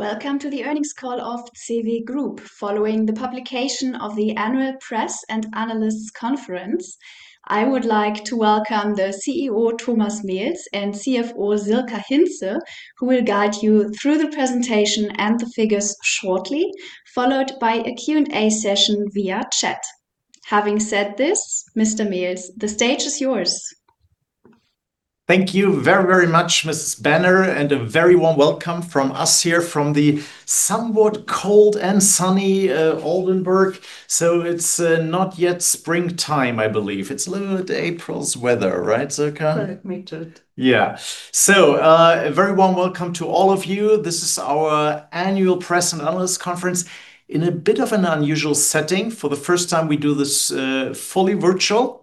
Welcome to the earnings call of CEWE Group following the publication of the annual press and analysts conference. I would like to welcome the CEO, Thomas Mehls, and CFO, Sirka Hintze, who will guide you through the presentation and the figures shortly, followed by a Q&A session via chat. Having said this, Mr. Mehls, the stage is yours. Thank you very, very much, Mrs. Benner, and a very warm welcome from us here from the somewhat cold and sunny Oldenburg. It's not yet springtime, I believe. It's a little bit April's weather, right, Sirka? Correct, Mehls. A very warm welcome to all of you. This is our annual press and analysts conference in a bit of an unusual setting. For the first time, we do this fully virtual.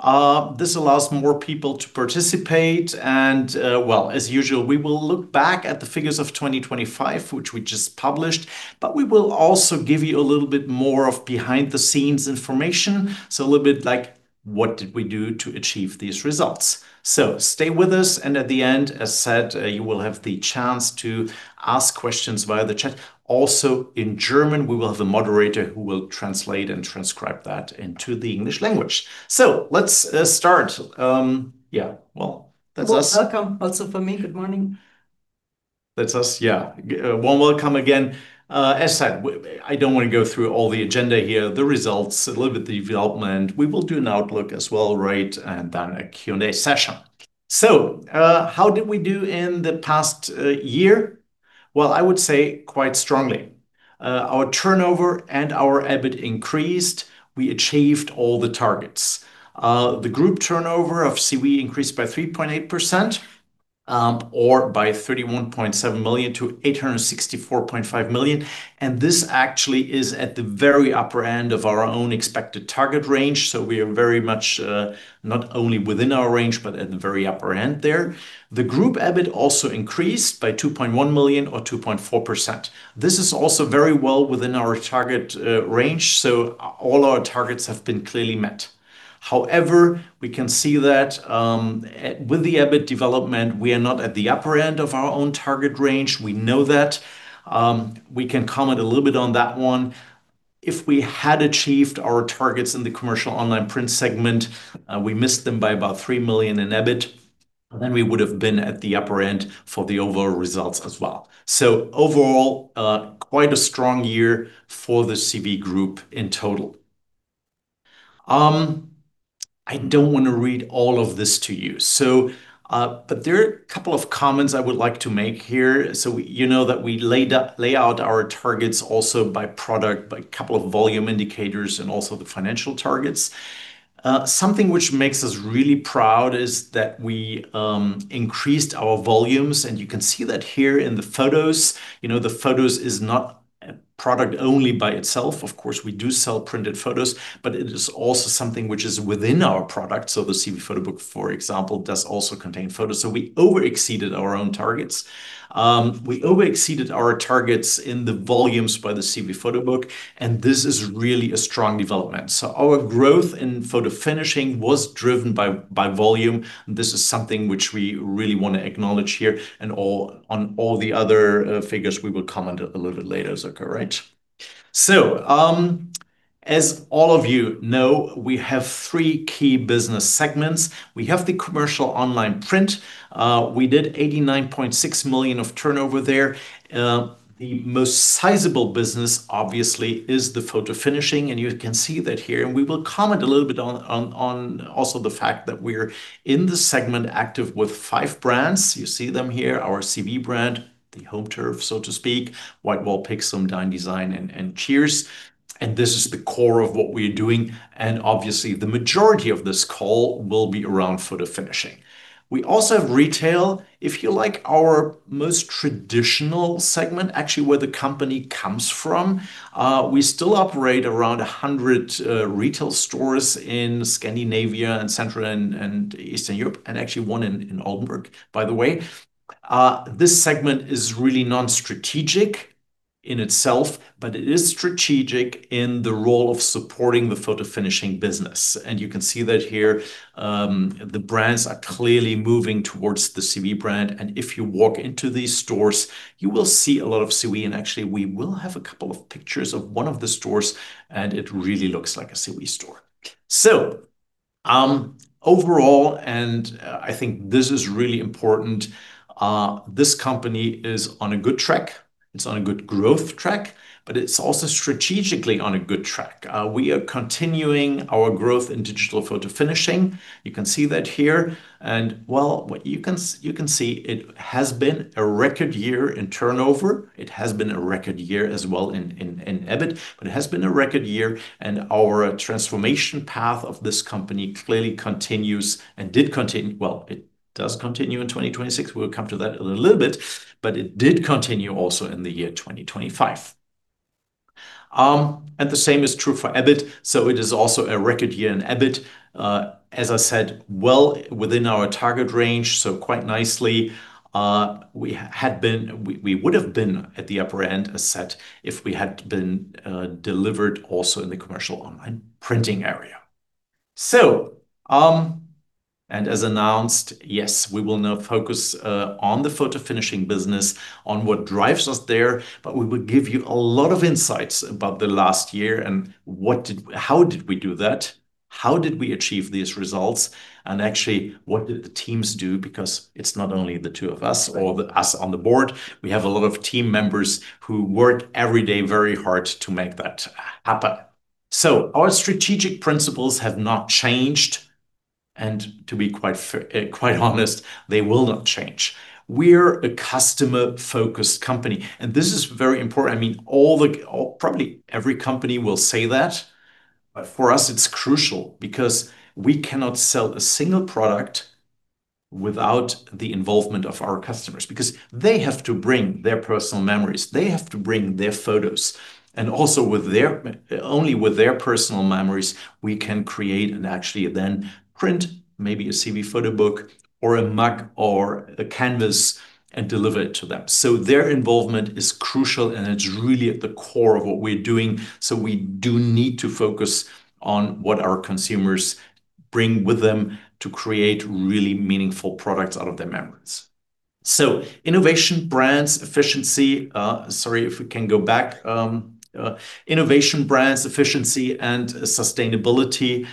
This allows more people to participate, and, well, as usual, we will look back at the figures of 2025, which we just published, but we will also give you a little bit more of behind-the-scenes information, so a little bit like what did we do to achieve these results. Stay with us, and at the end, as said, you will have the chance to ask questions via the chat. Also, in German, we will have a moderator who will translate and transcribe that into the English language. Let's start. Yeah, well, that's us. Welcome also from me. Good morning. That's us, yeah. Warm welcome again. As said, I don't want to go through all the agenda here, the results, a little bit the development. We will do an outlook as well, right, and then a Q&A session. How did we do in the past year? Well, I would say quite strongly. Our turnover and our EBIT increased. We achieved all the targets. The group turnover of CEWE increased by 3.8%, or by 31.7 million to 864.5 million, and this actually is at the very upper end of our own expected target range, so we are very much not only within our range, but at the very upper end there. The group EBIT also increased by 2.1 million or 2.4%. This is also very well within our target range, so all our targets have been clearly met. However, we can see that with the EBIT development, we are not at the upper end of our own target range. We know that. We can comment a little bit on that one. If we had achieved our targets in the commercial online print segment, we missed them by about 3 million in EBIT, then we would've been at the upper end for the overall results as well. Overall, quite a strong year for the CEWE Group in total. I don't want to read all of this to you, but there are a couple of comments I would like to make here. You know that we lay out our targets also by product, by a couple of volume indicators, and also the financial targets. Something which makes us really proud is that we increased our volumes, and you can see that here in the photos. You know, the photos is not a product only by itself. Of course, we do sell printed photos, but it is also something which is within our product, so the CEWE PHOTOBOOK, for example, does also contain photos. We over-exceeded our own targets. We over-exceeded our targets in the volumes by the CEWE PHOTOBOOK, and this is really a strong development. Our growth in photofinishing was driven by volume. This is something which we really want to acknowledge here, and on all the other figures, we will comment a little bit later, Sirka, right? As all of you know, we have three key business segments. We have the commercial online print. We did 89.6 million of turnover there. The most sizable business obviously is the photofinishing, and you can see that here, and we will comment a little bit on also the fact that we're active in the segment with five brands. You see them here, our CEWE brand, the home turf, so to speak, WhiteWall, Pixum, DeinDesign, and CEWE. This is the core of what we are doing, and obviously, the majority of this call will be around photofinishing. We also have retail. If you like, our most traditional segment, actually where the company comes from. We still operate around 100 retail stores in Scandinavia and Central and Eastern Europe, and actually one in Oldenburg, by the way. This segment is really non-strategic in itself, but it is strategic in the role of supporting the photofinishing business, and you can see that here. The brands are clearly moving towards the CEWE brand, and if you walk into these stores, you will see a lot of CEWE, and actually, we will have a couple of pictures of one of the stores, and it really looks like a CEWE store. I think this is really important, this company is on a good track. It's on a good growth track, but it's also strategically on a good track. We are continuing our growth in digital photofinishing. You can see that here. You can see it has been a record year in turnover. It has been a record year as well in EBIT. It has been a record year, and our transformation path of this company clearly continues and did continue. Well, it does continue in 2026. We'll come to that in a little bit. It did continue also in the year 2025. The same is true for EBIT. It is also a record year in EBIT. As I said, well within our target range. Quite nicely. We had been... We would've been at the upper end, as said, if we had been delivered also in the commercial online printing area. As announced, yes, we will now focus on the photo finishing business, on what drives us there, but we will give you a lot of insights about the last year and how did we do that? How did we achieve these results? Actually, what did the teams do? Because it's not only the two of us- Right or the rest of us on the board. We have a lot of team members who work every day very hard to make that happen. Our strategic principles have not changed, and to be quite honest, they will not change. We're a customer-focused company, and this is very important. I mean, all the others or probably every company will say that. For us it's crucial, because we cannot sell a single product without the involvement of our customers. Because they have to bring their personal memories, they have to bring their photos. Only with their personal memories we can create and actually then print maybe a CEWE PHOTOBOOK or a mug or a canvas and deliver it to them. Their involvement is crucial, and it's really at the core of what we're doing, so we do need to focus on what our consumers bring with them to create really meaningful products out of their memories. Innovation, brands, efficiency, and sustainability.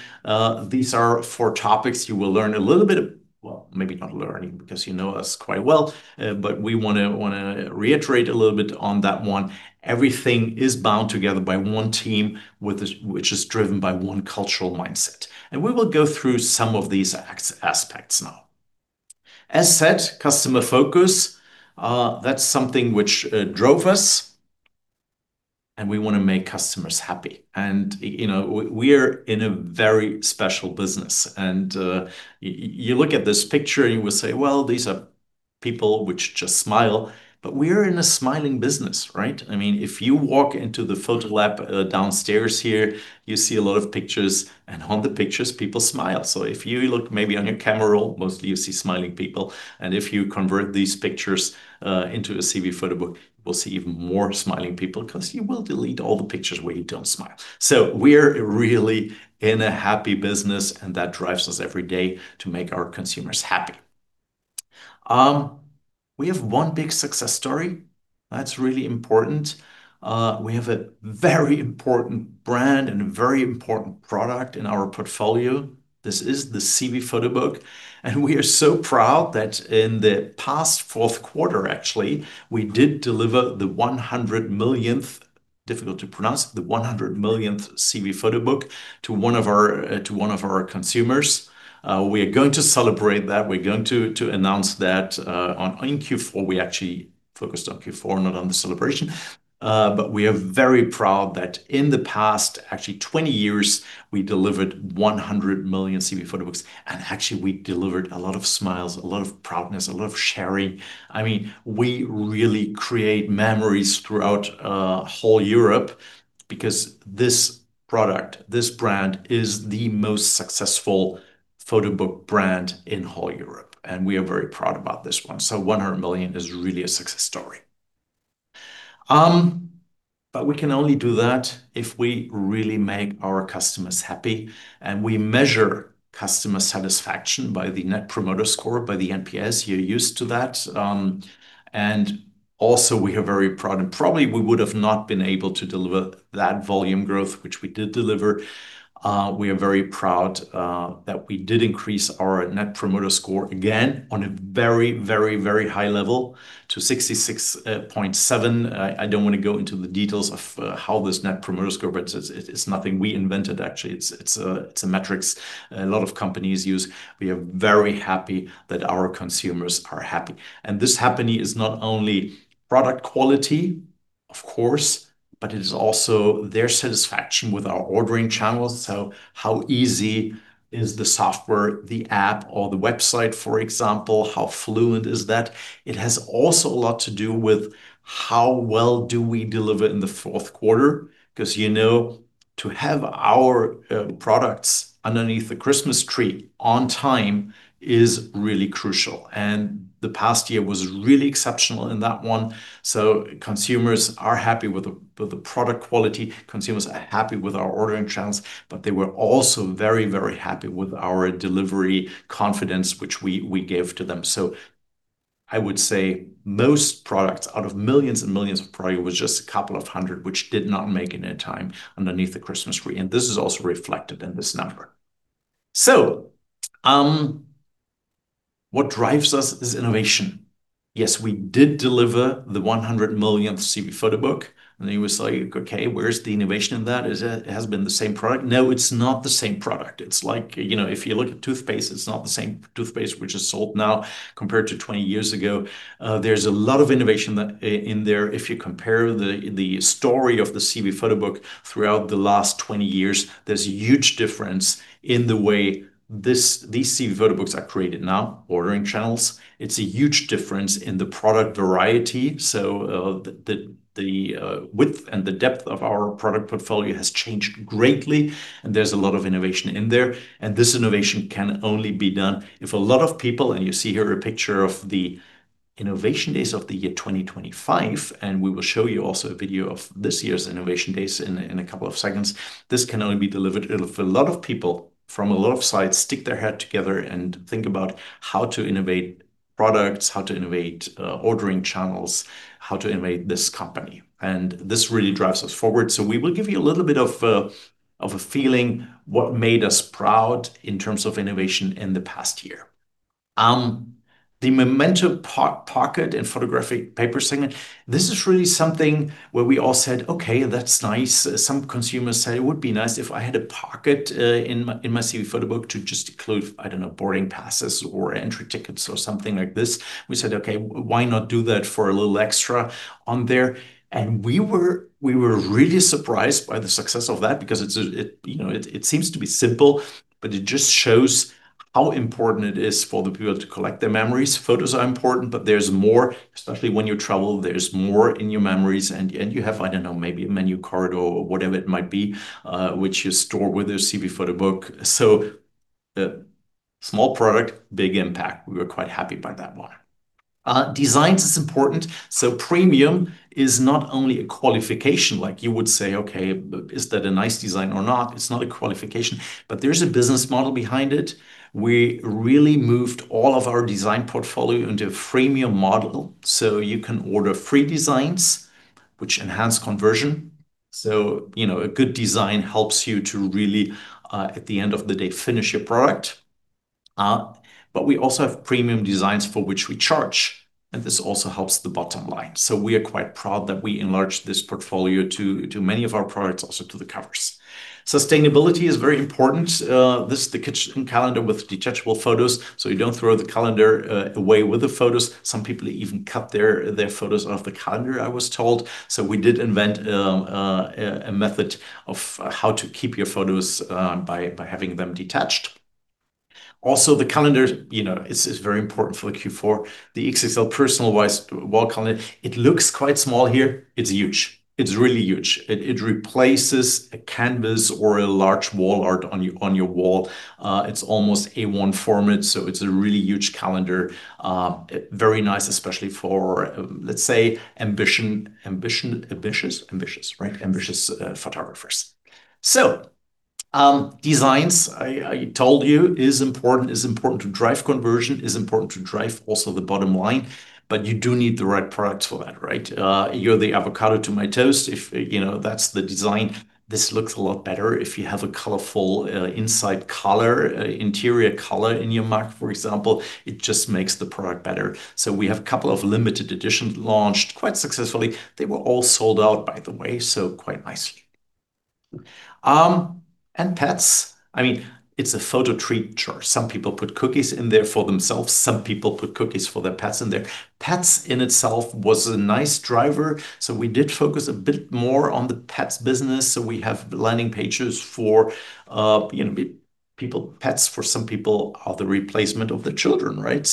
These are four topics you will learn a little bit. Well, maybe not learning, because you know us quite well. But we wanna reiterate a little bit on that one. Everything is bound together by one team, with this, which is driven by one cultural mindset. We will go through some of these aspects now. As said, customer focus, that's something which drove us, and we wanna make customers happy. You know, we're in a very special business. You look at this picture and you will say, "Well, these are people which just smile," but we're in a smiling business, right? I mean, if you walk into the photo lab downstairs here, you see a lot of pictures, and on the pictures, people smile. If you look maybe on your camera roll, mostly you see smiling people. If you convert these pictures into a CEWE PHOTOBOOK, you will see even more smiling people, 'cause you will delete all the pictures where you don't smile. We're really in a happy business, and that drives us every day to make our consumers happy. We have one big success story that's really important. We have a very important brand and a very important product in our portfolio. This is the CEWE PHOTOBOOK, and we are so proud that in the past fourth quarter actually, we did deliver the 100 millionth, difficult to pronounce, the 100 millionth CEWE PHOTOBOOK to one of our consumers. We are going to celebrate that. We're going to announce that in Q4. We actually focused on Q4, not on the celebration. We are very proud that in the past actually 20 years, we delivered 100 million CEWE PHOTOBOOK, and actually we delivered a lot of smiles, a lot of proudness, a lot of sharing. I mean, we really create memories throughout whole Europe, because this product, this brand, is the most successful photobook brand in whole Europe, and we are very proud about this one. 100 million is really a success story. We can only do that if we really make our customers happy, and we measure customer satisfaction by the Net Promoter Score, by the NPS. You're used to that. We are very proud, and probably we would have not been able to deliver that volume growth which we did deliver. We are very proud that we did increase our Net Promoter Score again on a very high level to 66.7. I don't wanna go into the details of how this Net Promoter Score, but it's nothing we invented actually. It's a metrics a lot of companies use. We are very happy that our consumers are happy. This happy is not only product quality, of course, but it is also their satisfaction with our ordering channels. How easy is the software, the app, or the website, for example? How fluid is that? It has also a lot to do with how well do we deliver in the fourth quarter. 'Cause, you know, to have our products underneath the Christmas tree on time is really crucial. The past year was really exceptional in that one, so consumers are happy with the, with the product quality. Consumers are happy with our ordering channels, but they were also very, very happy with our delivery confidence, which we gave to them. I would say most products, out of millions and millions of product, it was just a couple of hundred which did not make it in time underneath the Christmas tree, and this is also reflected in this number. What drives us is innovation. Yes, we did deliver the 100 millionth CEWE PHOTOBOOK, and you will say, "Okay, where's the innovation in that? Is it. It has been the same product." No, it's not the same product. It's like, you know, if you look at toothpaste, it's not the same toothpaste which is sold now compared to 20 years ago. There's a lot of innovation that in there if you compare the story of the CEWE PHOTOBOOK throughout the last 20 years. There's huge difference in the way these CEWE PHOTOBOOKs are created now, ordering channels. It's a huge difference in the product variety, so the width and the depth of our product portfolio has changed greatly, and there's a lot of innovation in there. This innovation can only be done if a lot of people you see here a picture of the Innovation Days of the year 2025, and we will show you also a video of this year's Innovation Days in a couple of seconds. This can only be delivered if a lot of people from a lot of sites stick their head together and think about how to innovate products, how to innovate ordering channels, how to innovate this company. This really drives us forward, so we will give you a little bit of a feeling what made us proud in terms of innovation in the past year. The Memento Pocket and photographic paper segment, this is really something where we all said, "Okay, that's nice." Some consumers say, "It would be nice if I had a pocket in my, in my CEWE PHOTOBOOK to just include, I don't know, boarding passes or entry tickets or something like this." We said, "Okay, why not do that for a little extra on there?" We were really surprised by the success of that because it's, you know, simple, but it just shows how important it is for the people to collect their memories. Photos are important, but there's more, especially when you travel, there's more in your memories and you have, I don't know, maybe a menu card or whatever it might be, which you store with your CEWE PHOTOBOOK. Small product, big impact. We were quite happy by that one. Designs is important. Premium is not only a qualification, like you would say, "Okay, is that a nice design or not?" It's not a qualification, but there's a business model behind it. We really moved all of our design portfolio into a freemium model, so you can order free designs which enhance conversion. You know, a good design helps you to really, at the end of the day, finish your product. But we also have premium designs for which we charge, and this also helps the bottom line. We are quite happy that we enlarged this portfolio to many of our products, also to the covers. Sustainability is very important. This is the kitchen calendar with detachable photos, so you don't throw the calendar away with the photos. Some people even cut their photos off the calendar I was told. We did invent a method of how to keep your photos by having them detached. Also, the calendar is very important for the Q4. The XXL Personalized Wall Calendar, it looks quite small here. It's huge. It's really huge. It replaces a canvas or a large wall art on your wall. It's almost A1 format, so it's a really huge calendar. Very nice, especially for, let's say, ambitious photographers. Designs, I told you is important. It's important to drive conversion, it's important to drive also the bottom line, but you do need the right products for that, right? You're the avocado to my toast if that's the design. This looks a lot better if you have a colorful, inside color, interior color in your mug, for example. It just makes the product better. We have a couple of limited edition launched quite successfully. They were all sold out, by the way, so quite nicely. And pets, I mean, it's a photo treasure. Some people put cookies in there for themselves, some people put cookies for their pets in there. Pets in itself was a nice driver, so we did focus a bit more on the pets business. We have landing pages for, you know, people. Pets for some people are the replacement of their children, right?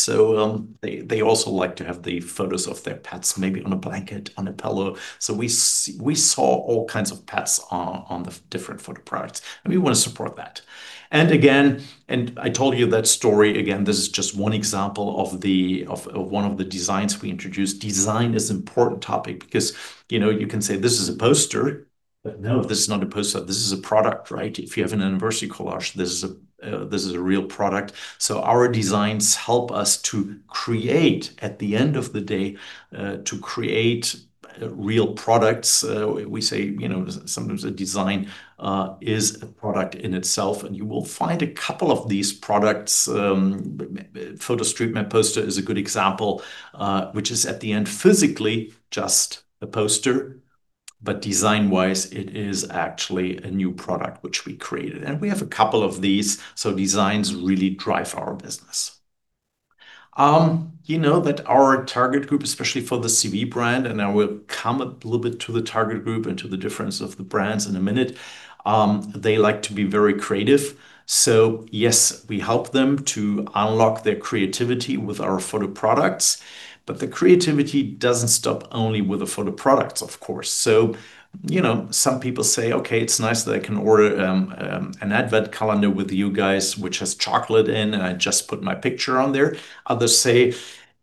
They also like to have the photos of their pets, maybe on a blanket, on a pillow. We saw all kinds of pets on the different photo products, and we wanna support that. I told you that story. This is just one example of one of the designs we introduced. Design is important topic because, you know, you can say this is a poster, but no, this is not a poster. This is a product, right? If you have an anniversary collage, this is a real product. Our designs help us to create, at the end of the day, real products. We say, you know, sometimes a design is a product in itself, and you will find a couple of these products. Photo street map poster is a good example, which is at the end physically just a poster, but design-wise, it is actually a new product which we created. We have a couple of these, so designs really drive our business. You know that our target group, especially for the CEWE brand, and I will come a little bit to the target group and to the difference of the brands in a minute, they like to be very creative. Yes, we help them to unlock their creativity with our photo products, but the creativity doesn't stop only with the photo products, of course. You know, some people say, "Okay, it's nice that I can order an advent calendar with you guys which has chocolate in, and I just put my picture on there." Others say,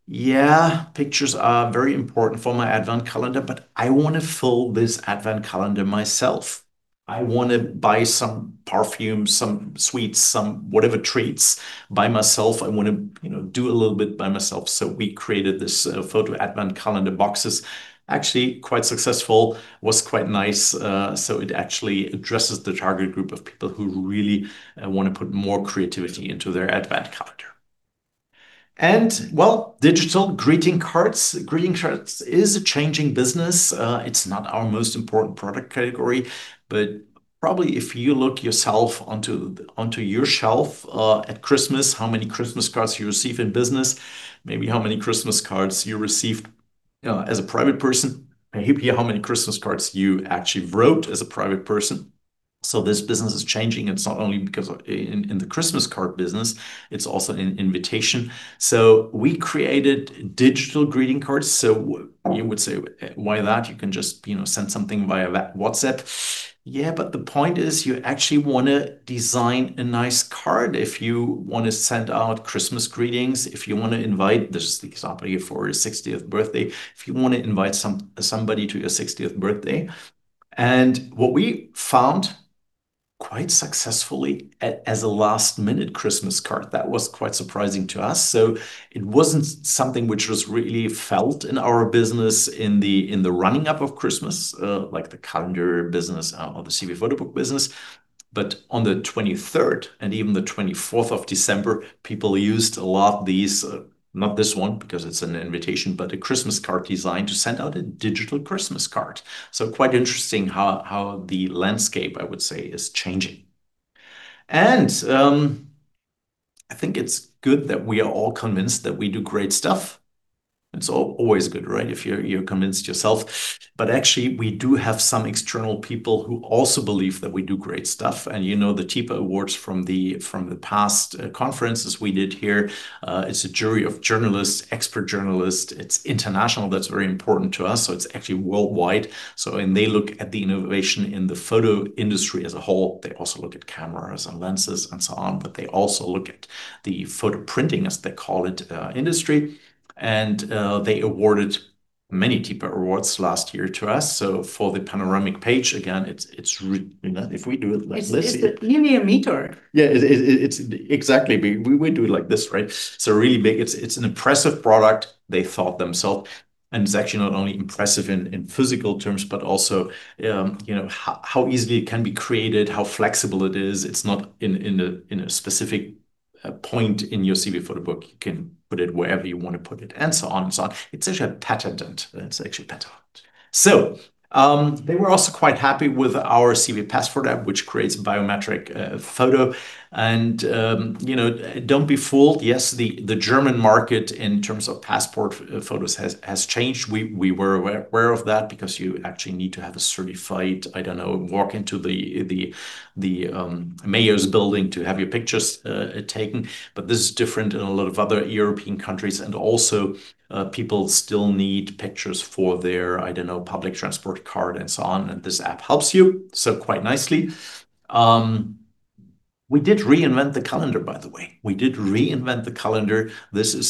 "Yeah, pictures are very important for my advent calendar, but I wanna fill this advent calendar myself. I wanna buy some perfume, some sweets, some whatever treats by myself. I wanna, you know, do a little bit by myself." We created this photo advent calendar boxes. Actually, quite successful. Was quite nice. It actually addresses the target group of people who really want to put more creativity into their advent calendar. Well, digital greeting cards. Greeting cards is a changing business. It's not our most important product category, but probably if you look yourself onto your shelf at Christmas, how many Christmas cards you receive in business, maybe how many Christmas cards you received as a private person, maybe how many Christmas cards you actually wrote as a private person. This business is changing. It's not only because of in the Christmas card business, it's also in invitation. We created digital greeting cards. You would say, "Why that? You can just, you know, send something via WhatsApp." Yeah, but the point is, you actually wanna design a nice card if you wanna send out Christmas greetings, if you wanna invite. This is the example here for his 60th birthday. If you wanna invite somebody to your 60th birthday and what we found quite successful as a last-minute Christmas card, that was quite surprising to us. It wasn't something which was really felt in our business in the run-up of Christmas, like the calendar business or the CEWE PHOTOBOOK business. On the 23rd and even the 24th of December, people used a lot these, not this one because it's an invitation, but a Christmas card designed to send out a digital Christmas card. Quite interesting how the landscape, I would say, is changing. I think it's good that we are all convinced that we do great stuff. It's always good, right? If you're convinced yourself. Actually we do have some external people who also believe that we do great stuff. You know, the TIPA Awards from the past conferences we did here, it's a jury of journalists, expert journalists. It's international, that's very important to us, so it's actually worldwide. When they look at the innovation in the photo industry as a whole, they also look at cameras and lenses and so on. They also look at the photo printing, as they call it, industry. They awarded many TIPA Awards last year to us. For the panoramic page, again, it's you know, if we do it like this. It's nearly a meter. It's exactly. We do it like this, right? Really big. It's an impressive product they thought themselves. It's actually not only impressive in physical terms, but also how easily it can be created, how flexible it is. It's not in a specific point in your CEWE PHOTOBOOK. You can put it wherever you want to put it, and so on. It's actually a patent. They were also quite happy with our CEWE Passport Photo App, which creates a biometric photo and don't be fooled. Yes, the German market in terms of passport photos has changed. We were aware of that because you actually need to have a certified, I don't know, walk into the mayor's building to have your pictures taken. This is different in a lot of other European countries. Also, people still need pictures for their, I don't know, public transport card and so on, and this app helps you so quite nicely. We did reinvent the calendar, by the way. This is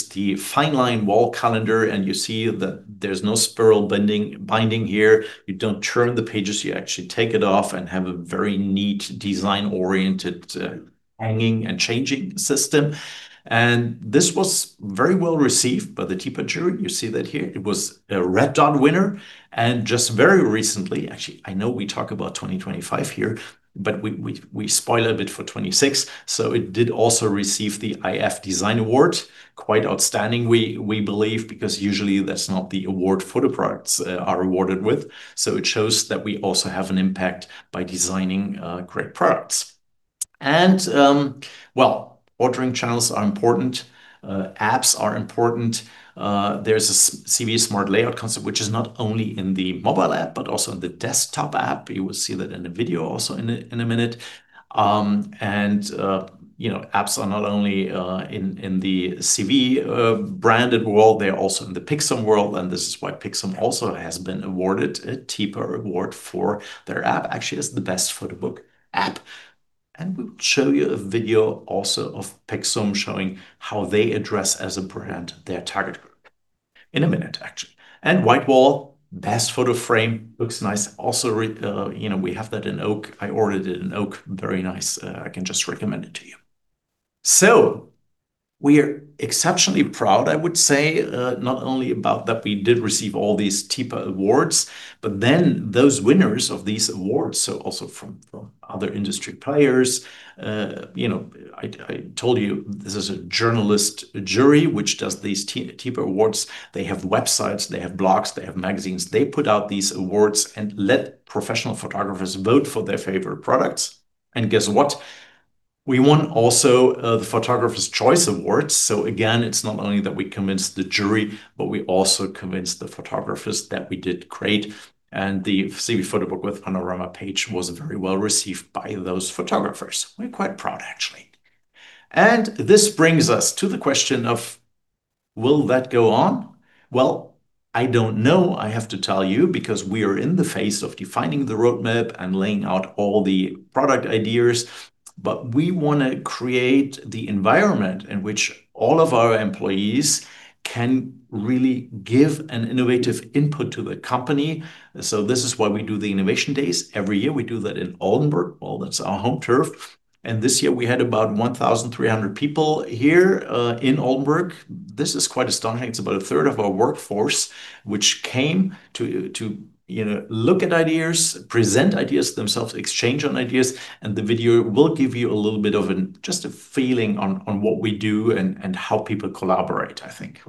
the Fineline Wall Calendar, and you see there's no spiral binding here. You don't turn the pages. You actually take it off and have a very neat design-oriented hanging and changing system. This was very well received by the TIPA jury. You see that here. It was a Red Dot winner. Just very recently, actually, I know we talk about 2025 here, but we spoil a bit for 2026. It did also receive the iF DESIGN AWARD. Quite outstanding we believe, because usually that's not the award photo products are awarded with. It shows that we also have an impact by designing great products. Well, ordering channels are important. Apps are important. There's a CEWE Smart Layout concept, which is not only in the mobile app but also in the desktop app. You will see that in a video also in a minute. You know, apps are not only in the CEWE branded world, they're also in the Pixum world, and this is why Pixum also has been awarded a TIPA award for their app. Actually, it's the best photo book app. We'll show you a video also of Pixum showing how they address as a brand their target group in a minute, actually. WhiteWall, best photo frame. Looks nice. Also, you know, we have that in oak. I ordered it in oak. Very nice. I can just recommend it to you. We're exceptionally proud, I would say, not only about that we did receive all these TIPA awards, but then those winners of these awards, so also from other industry players, you know, I told you this is a journalist jury which does these TIPA awards. They have websites, they have blogs, they have magazines. They put out these awards and let professional photographers vote for their favorite products. Guess what? We won also the Photographers' Choice Awards. Again, it's not only that we convinced the jury, but we also convinced the photographers that we did great. The CEWE PHOTOBOOK with Panorama page was very well received by those photographers. We're quite proud actually. This brings us to the question of will that go on? Well, I don't know, I have to tell you, because we are in the phase of defining the roadmap and laying out all the product ideas, but we wanna create the environment in which all of our employees can really give an innovative input to the company. This is why we do the Innovation Days every year. We do that in Oldenburg. Well, that's our home turf. This year we had about 1,300 people here in Oldenburg. This is quite astonishing. It's about a third of our workforce which came to you know look at ideas, present ideas themselves, exchange on ideas. The video will give you a little bit just a feeling on what we do and how people collaborate, I think.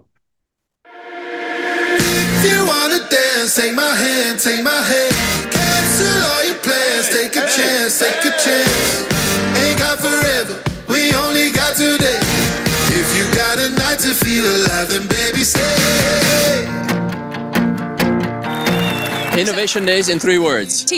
If you wanna dance, take my hand, take my hand. Cancel all your plans, take a chance, take a chance. Ain't got forever. We only got today. If you got a night to feel alive then, baby, say. Innovation Days in three words. Team. Passion. Innovation. This summer night's getting cooler. Inspirations. Future. Relationships. Inspiring. People. Together. Dreaming about running wild in the city. Inspiring Creative social Fun joy. Oh, if you wanna dance, take my hand, take my hand. Cancel all your plans, take a chance, take a chance. Ain't got forever, we only got today. If you got a night to feel alive, then baby, stay. If you wanna dance,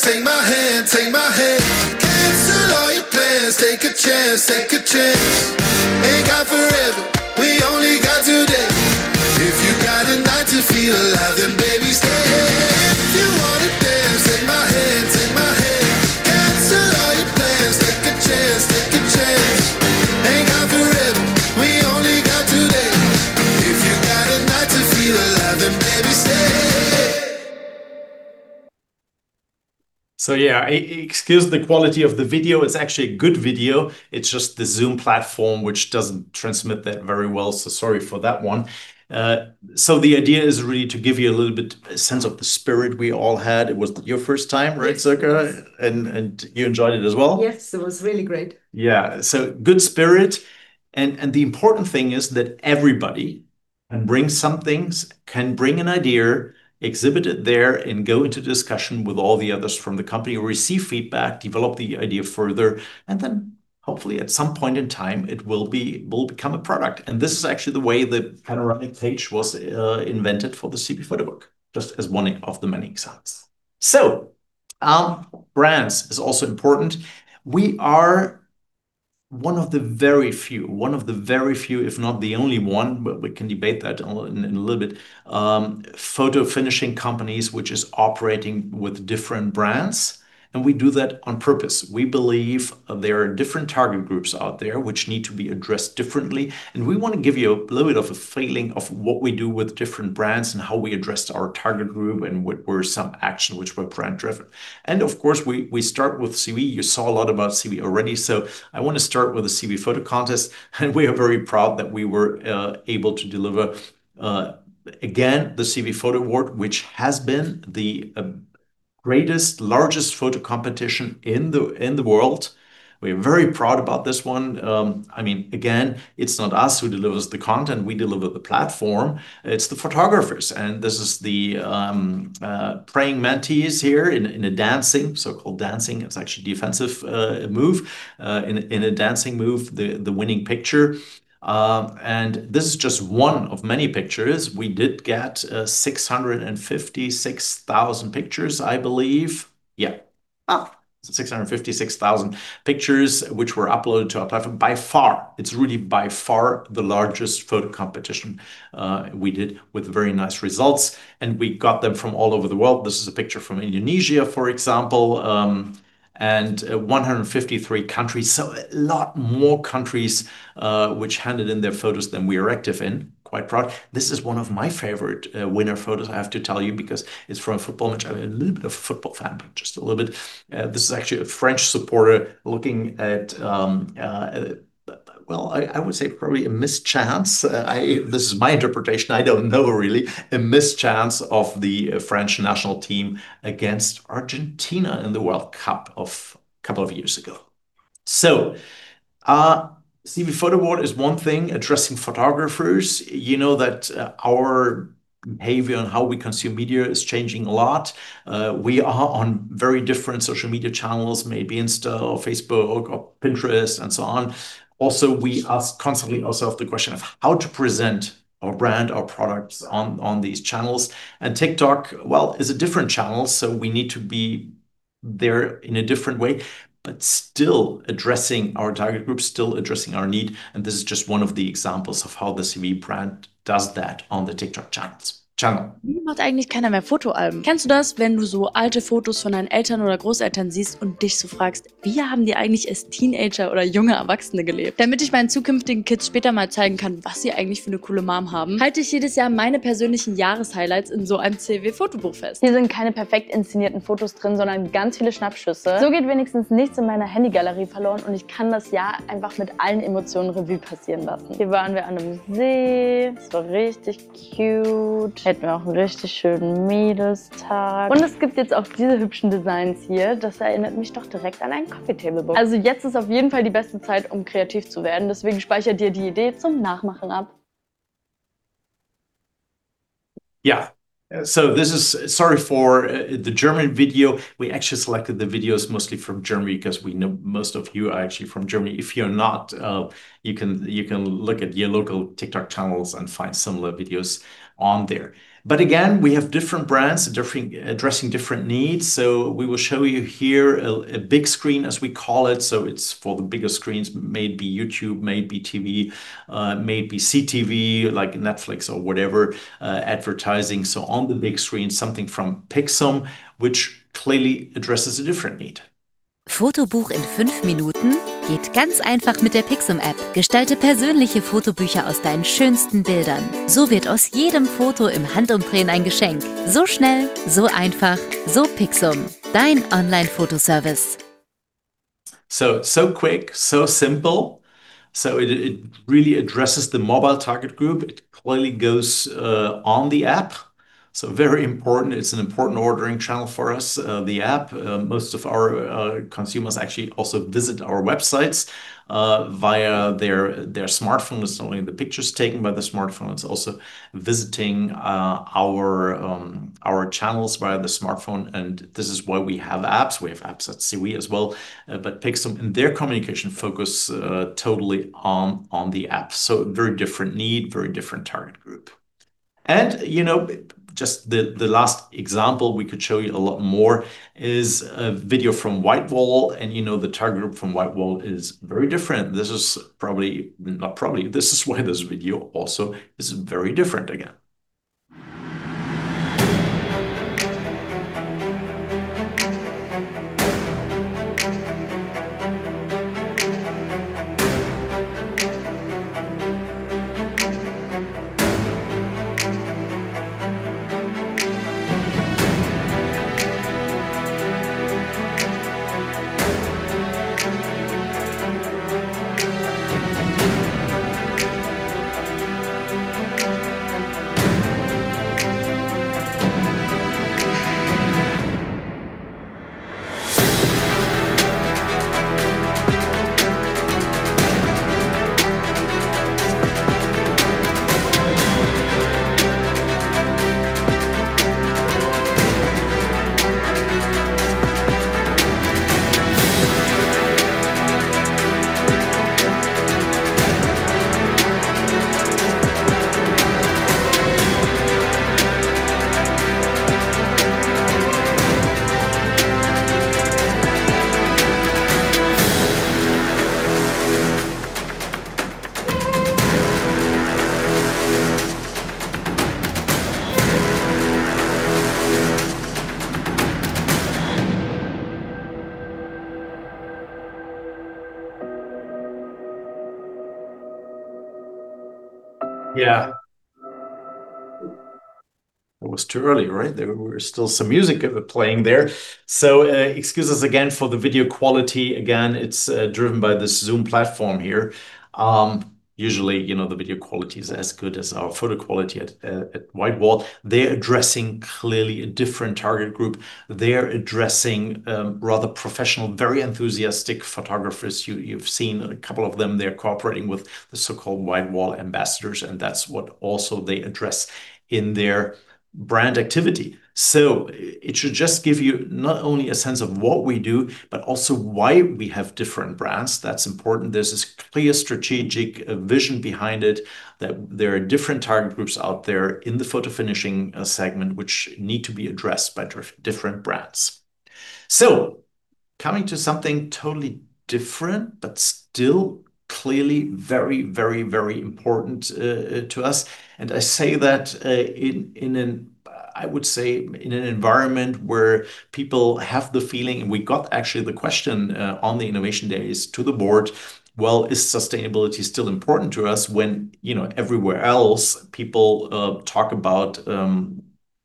take my hand, take my hand. Cancel all your plans, take a chance, take a chance. Ain't got forever, we only got today. If you got a night to feel alive, then baby, stay. Yeah, excuse the quality of the video. It's actually a good video. It's just the Zoom platform, which doesn't transmit that very well, so sorry for that one. The idea is really to give you a little bit sense of the spirit we all had. It was your first time, right, Sirka? Yes. You enjoyed it as well? Yes, it was really great. Yeah, good spirit, and the important thing is that everybody can bring some things, can bring an idea, exhibit it there, and go into discussion with all the others from the company, receive feedback, develop the idea further, and then hopefully at some point in time it will become a product. This is actually the way the panoramic page was invented for the CEWE PHOTOBOOK, just as one of the many examples. Our brands is also important. We are one of the very few, if not the only one, but we can debate that in a little bit, photo finishing companies which is operating with different brands, and we do that on purpose. We believe there are different target groups out there which need to be addressed differently, and we wanna give you a little bit of a feeling of what we do with different brands and how we address our target group and what were some action which were brand-driven. Of course, we start with CEWE. You saw a lot about CEWE already. I wanna start with the CEWE photo contest, and we are very proud that we were able to deliver again the CEWE Photo Award, which has been the greatest, largest photo competition in the world. We're very proud about this one. I mean, again, it's not us who delivers the content. We deliver the platform. It's the photographers, and this is the praying mantis here in a so-called dancing. It's actually defensive move in a dancing move, the winning picture. This is just one of many pictures. We got 656,000 pictures, I believe, which were uploaded to our platform. By far, it's really by far the largest photo competition we did, with very nice results, and we got them from all over the world. This is a picture from Indonesia, for example, and 153 countries, so a lot more countries which handed in their photos than we are active in. Quite proud. This is one of my favorite winner photos, I have to tell you, because it's from a football match. I'm a little bit of a football fan, but just a little bit. This is actually a French supporter looking at, well, I would say probably a missed chance. This is my interpretation. I don't know really. A missed chance of the French national team against Argentina in the World Cup a couple of years ago. CEWE Photo Award is one thing, addressing photographers. You know that, our behavior and how we consume media is changing a lot. We are on very different social media channels, maybe Instagram or Facebook or Pinterest and so on. Also, we ask constantly ourself the question of how to present our brand, our products on these channels. TikTok, well, is a different channel, so we need to be there in a different way, but still addressing our target group, still addressing our need, and this is just one of the examples of how the CEWE brand does that on the TikTok channels. Why doesn't anyone make photo albums anymore? Do you know that feeling when you see old photos of your parents or grandparents and you ask yourself, "How did they actually live as teenagers or young adults?" To show my future kids someday what a cool mom they actually have, every year I save my personal year's highlights in a CEWE PHOTOBOOK like this. There are no perfectly staged photos in here, just a lot of snapshots. At least nothing is lost in my phone gallery and I can just let the year review with all emotions. Here we were at a lake. It was really cute. We also had a really nice girls' day. Now there are also these lovely designs here. That reminds me of a coffee table book. Now is definitely the best time to get creative. Save the idea to copy for yourself. Yeah. This is... Sorry for the German video. We actually selected the videos mostly from Germany 'cause we know most of you are actually from Germany. If you're not, you can look at your local TikTok channels and find similar videos on there. But again, we have different brands addressing different needs, so we will show you here a big screen, as we call it. It's for the bigger screens, maybe YouTube, maybe TV, maybe CTV, like Netflix or whatever advertising. On the big screen, something from Pixum, which clearly addresses a different need. CEWE PHOTOBOOK in five minutes is really easy with the Pixum app. Create personal photo books from your most beautiful pictures. This turns every photo into a gift in the blink of an eye. So fast, so easy, so Pixum. Your online photo service. So quick, so simple. It really addresses the mobile target group. It clearly goes on the app, so very important. It's an important ordering channel for us, the app. Most of our consumers actually also visit our websites via their smartphones. Not only the picture's taken by the smartphone, it's also visiting our channels via the smartphone, and this is why we have apps. We have apps at CEWE as well. Pixum, in their communication, focus totally on the app, so very different need, very different target group. You know, just the last example, we could show you a lot more, is a video from WhiteWall, and you know the target group from WhiteWall is very different. This is probably, not probably, this is why this video also is very different again. Yeah. It was too early, right? There were still some music playing there. Excuse us again for the video quality. Again, it's driven by this Zoom platform here. Usually, you know, the video quality is as good as our photo quality at WhiteWall. They're addressing clearly a different target group. They're addressing rather professional, very enthusiastic photographers. You, you've seen a couple of them. They're cooperating with the so-called WhiteWall ambassadors, and that's what also they address in their brand activity. It should just give you not only a sense of what we do, but also why we have different brands. That's important. There's this clear strategic vision behind it, that there are different target groups out there in the photo finishing segment which need to be addressed by different brands. Coming to something totally different, but still clearly very important to us. I say that in an environment where people have the feeling, and we got actually the question on the Innovation Days to the board, "Well, is sustainability still important to us when, you know, everywhere else people talk about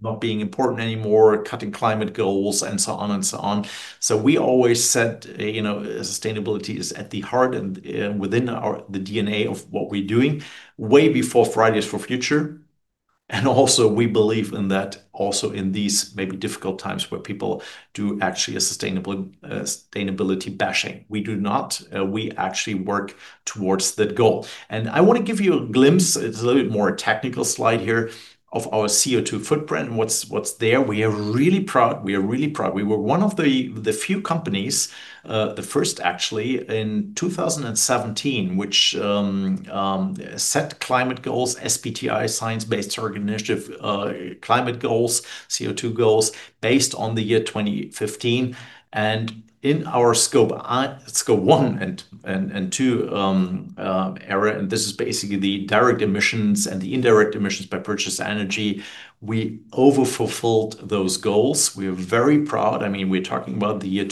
not being important anymore, cutting climate goals," and so on and so on. We always said, you know, sustainability is at the heart and within our the DNA of what we're doing way before Fridays for Future. Also we believe in that also in these maybe difficult times where people do actually a sustainable sustainability bashing. We do not. We actually work towards that goal. I wanna give you a glimpse, it's a little bit more technical slide here, of our CO2 footprint and what's there. We are really proud. We were one of the few companies, the first actually in 2017, which set climate goals, SBTi, Science Based Targets initiative, climate goals, CO2 goals based on the year 2015. In our scope one and two here, and this is basically the direct emissions and the indirect emissions by purchased energy, we overfulfilled those goals. We're very proud. I mean, we're talking about the year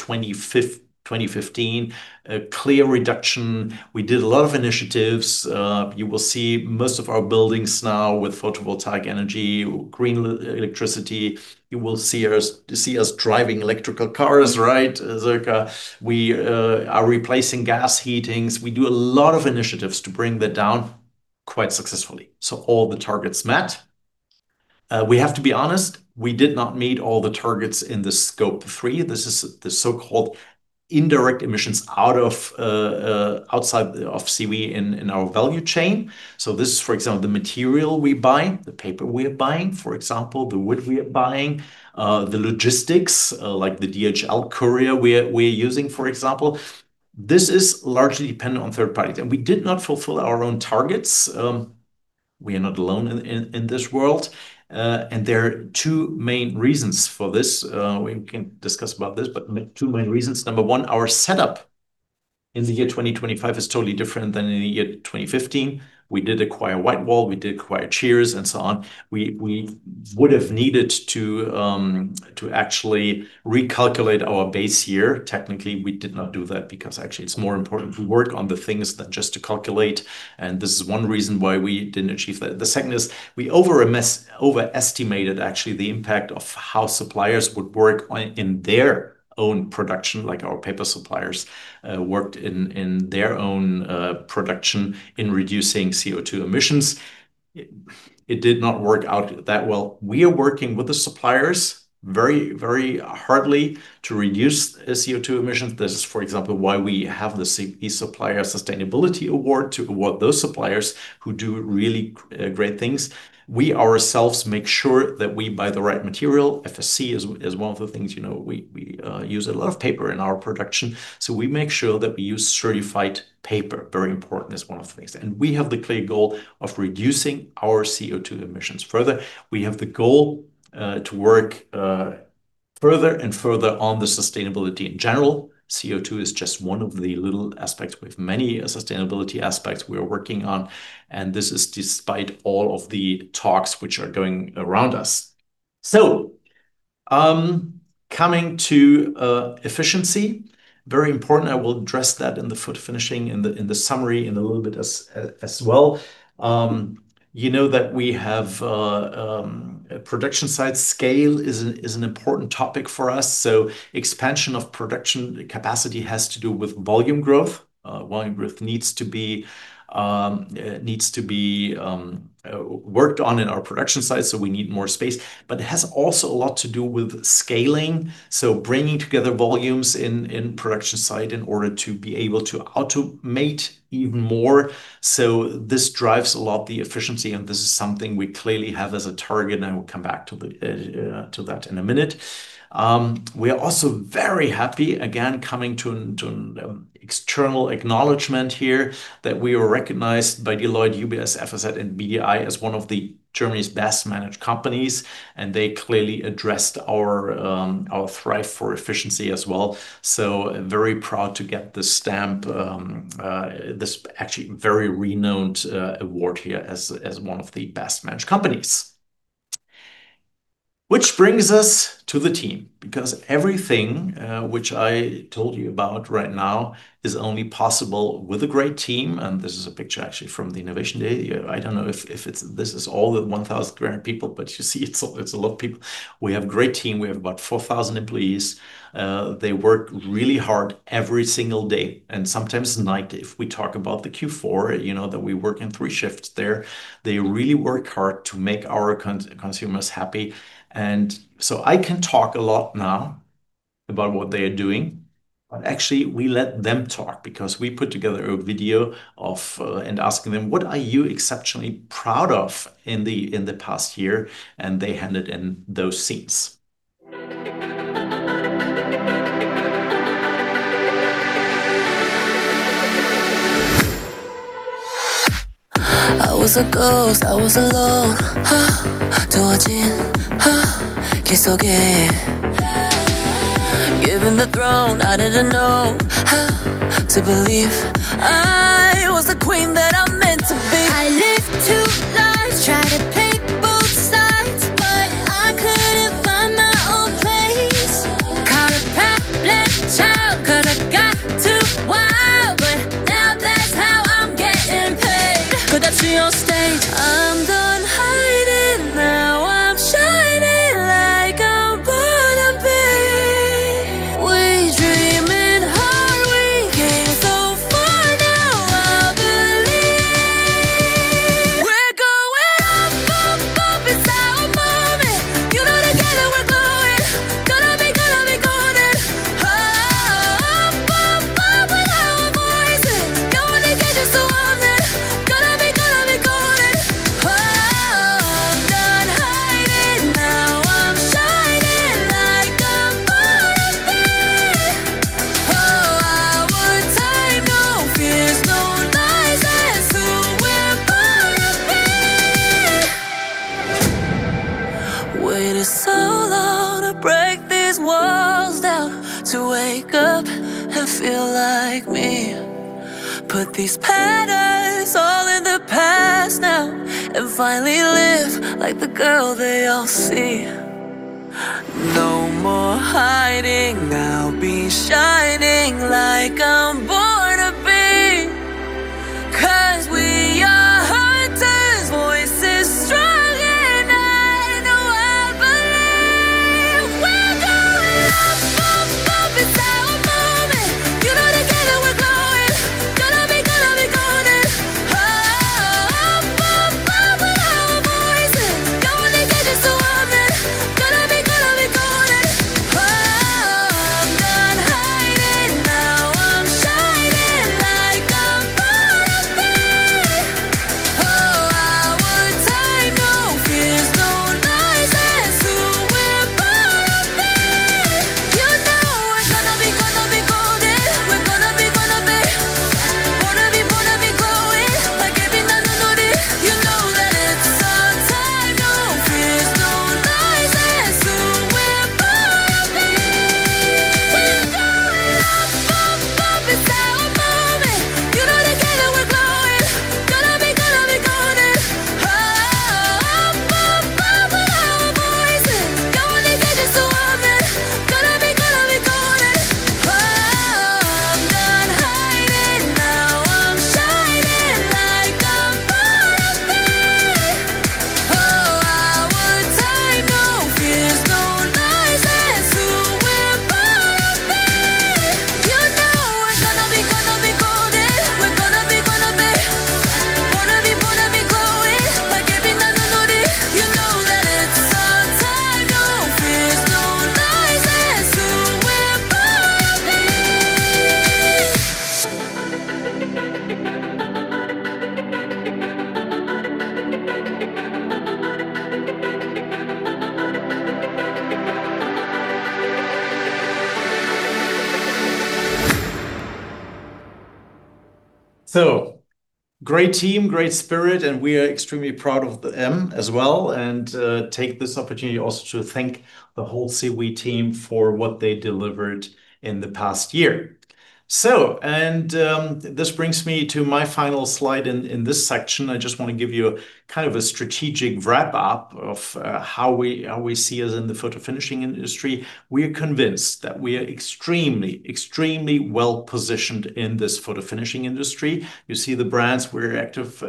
2015, a clear reduction. We did a lot of initiatives. You will see most of our buildings now with photovoltaic energy, green electricity. You will see us driving electrical cars, right? Sirka. We are replacing gas heatings. We do a lot of initiatives to bring that down quite successfully. All the targets met. We have to be honest, we did not meet all the targets in the Scope 3. This is the so-called indirect emissions outside of CEWE in our value chain. This is, for example, the material we buy, the paper we're buying, for example, the wood we're buying, the logistics, like the DHL courier we're using, for example. This is largely dependent on third parties, and we did not fulfill our own targets. We are not alone in this world. There are two main reasons for this. We can discuss about this, but two main reasons. Number one, our setup in the year 2025 is totally different than in the year 2015. We did acquire WhiteWall, we did acquire Cheerz, and so on. We would have needed to actually recalculate our base year. Technically, we did not do that because actually it's more important to work on the things than just to calculate, and this is one reason why we didn't achieve that. The second is we overestimated actually the impact of how suppliers would work on in their own production, like our paper suppliers worked in their own production in reducing CO2 emissions. It did not work out that well. We are working with the suppliers very very hard to reduce CO2 emissions. This is, for example, why we have the CEWE Supplier Sustainability Award to award those suppliers who do really great things. We ourselves make sure that we buy the right material. FSC is one of the things, you know, we use a lot of paper in our production, so we make sure that we use certified paper. Very important. That's one of the things. We have the clear goal of reducing our CO2 emissions further. We have the goal to work further and further on the sustainability in general, CO2 is just one of the little aspects. We have many sustainability aspects we are working on, and this is despite all of the talks which are going around us. Coming to efficiency, very important. I will address that in the photofinishing in the summary in a little bit as well. You know that we have production site scaling is an important topic for us, so expansion of production capacity has to do with volume growth. Volume growth needs to be worked on in our production site, so we need more space. It has also a lot to do with scaling, so bringing together volumes in production site in order to be able to automate even more, so this drives a lot the efficiency, and this is something we clearly have as a target, and I will come back to that in a minute. We are also very happy, again, coming to an external acknowledgement here that we were recognized by Deloitte, UBS, FSR, and BDI as one of Germany's best managed companies, and they clearly addressed our drive for efficiency as well. Very proud to get the stamp, this actually very renowned award here as one of the best managed companies. Which brings us to the team, because everything which I told you about right now is only possible with a great team, and this is a picture actually from the innovation day. I don't know if this is all the 1,000 current people, but you see it's a lot of people. We have great team. We have about 4,000 employees. They work really hard every single day and sometimes night. If we talk about the Q4, you know, that we work in three shifts there. They really work hard to make our consumers happy. I can talk a lot now about what they are doing, but actually we let them talk because we put together a video and asking them, "What are you exceptionally proud of in the past year?" They handed in those scenes. I was a ghost, I was alone. Too much in, it's okay. Given the throne, I didn't know to believe I was the queen that I'm meant to be. I This brings me to my final slide in this section. I just want to give you a kind of a strategic wrap-up of how we see us in the photofinishing industry. We're convinced that we are extremely well-positioned in this photofinishing industry. You see the brands we're active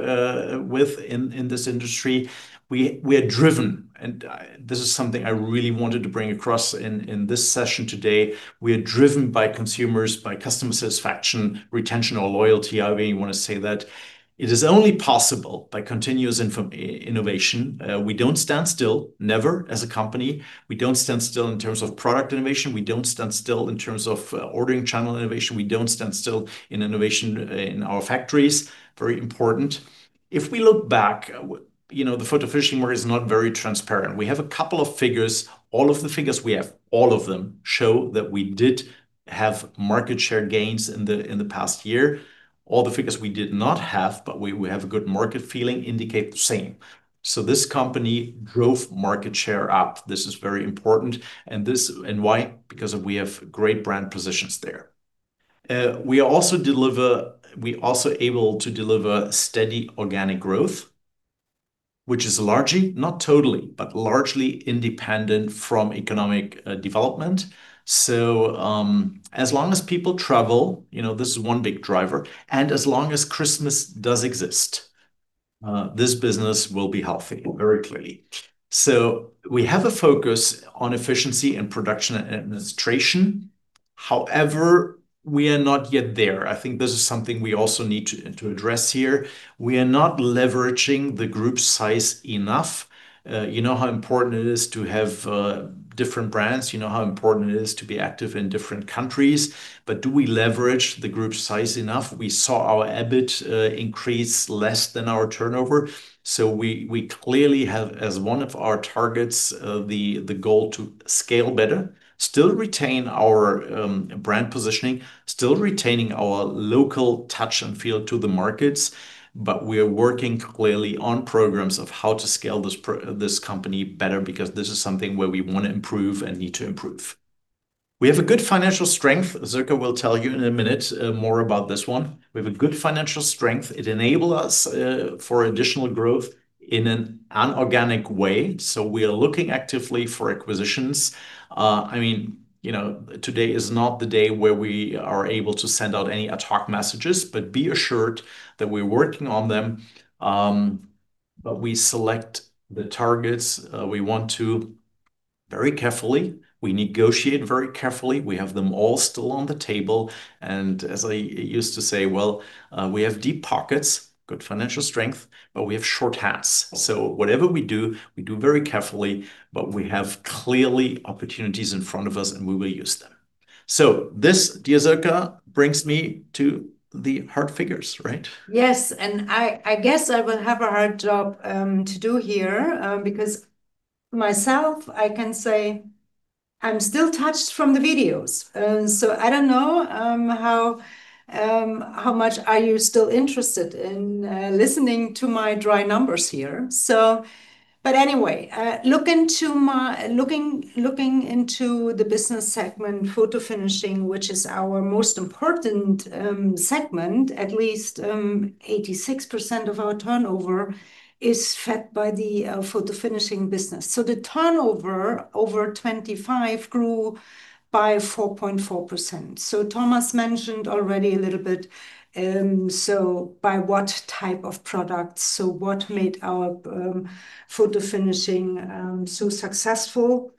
with in this industry. We are driven, and this is something I really wanted to bring across in this session today. We are driven by consumers, by customer satisfaction, retention or loyalty, however you want to say that. It is only possible by continuous innovation. We don't stand still, never as a company. We don't stand still in terms of product innovation. We don't stand still in terms of ordering channel innovation. We don't stand still in innovation in our factories. Very important. If we look back, you know, the photofinishing world is not very transparent. We have a couple of figures. All of the figures we have, all of them show that we did have market share gains in the past year. All the figures we did not have, but we have a good market feeling indicate the same. This company drove market share up. This is very important. Why? Because we have great brand positions there. We're also able to deliver steady organic growth, which is largely, not totally, but largely independent from economic development. As long as people travel, you know, this is one big driver, and as long as Christmas does exist, this business will be healthy, very clearly. We have a focus on efficiency and production administration. However, we are not yet there. I think this is something we also need to address here. We are not leveraging the group size enough. You know how important it is to have different brands. You know how important it is to be active in different countries, but do we leverage the group size enough? We saw our EBIT increase less than our turnover, so we clearly have as one of our targets the goal to scale better, still retain our brand positioning, still retaining our local touch and feel to the markets, but we are working clearly on programs of how to scale this company better because this is something where we want to improve and need to improve. We have a good financial strength. Sirka will tell you in a minute more about this one. We have a good financial strength. It enable us for additional growth in an inorganic way, so we are looking actively for acquisitions. I mean, you know, today is not the day where we are able to send out any ad hoc messages, but be assured that we're working on them. We select the targets we want to very carefully. We negotiate very carefully. We have them all still on the table, and as I used to say, we have deep pockets, good financial strength, but we have short hands. Whatever we do, we do very carefully, but we have clearly opportunities in front of us, and we will use them. This, dear Sirka, brings me to the hard figures, right? Yes, I guess I will have a hard job to do here, because myself, I can say I'm still touched from the videos, so I don't know how much you are still interested in listening to my dry numbers here. Looking into the business segment, photofinishing, which is our most important segment, at least 86% of our turnover is fed by the photofinishing business. The turnover over 2025 grew by 4.4%. Thomas mentioned already a little bit by what type of products. What made our Photofinishing so successful.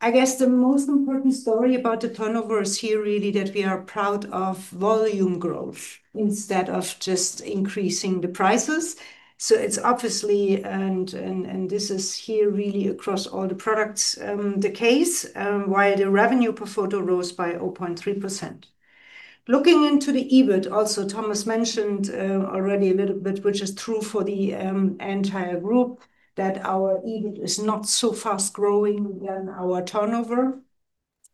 I guess the most important story about the turnover is here really that we are proud of volume growth instead of just increasing the prices. It's obviously the case across all the products while the revenue per photo rose by 0.3%. Looking into the EBIT, Thomas mentioned already a little bit, which is true for the entire group, that our EBIT is not so fast-growing than our turnover.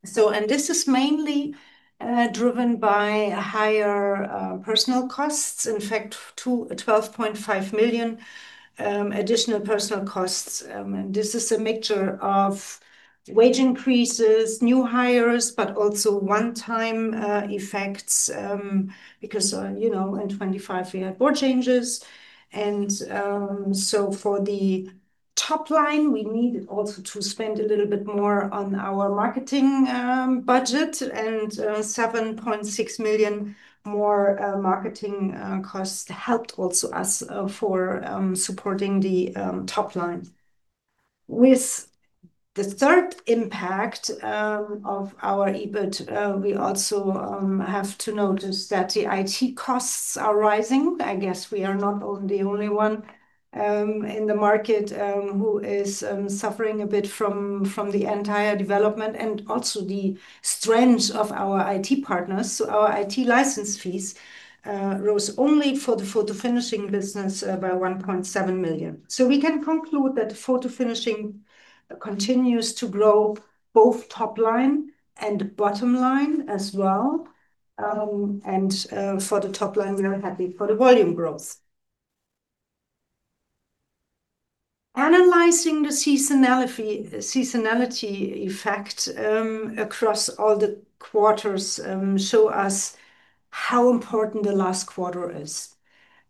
This is mainly driven by higher personnel costs, in fact 12.5 million additional personnel costs. This is a mixture of wage increases, new hires, but also one-time effects because you know in 2025 we had board changes. For the top line, we needed also to spend a little bit more on our marketing budget, and 7.6 million more marketing costs helped also us for supporting the top line. With the third impact of our EBIT, we also have to notice that the IT costs are rising. I guess we are not the only one in the market who is suffering a bit from the entire development and also the strength of our IT partners. Our IT license fees rose only for the photofinishing business by 1.7 million. We can conclude that photofinishing continues to grow both top line and bottom line as well. For the top line, we are happy for the volume growth. Analyzing the seasonality effect across all the quarters show us how important the last quarter is.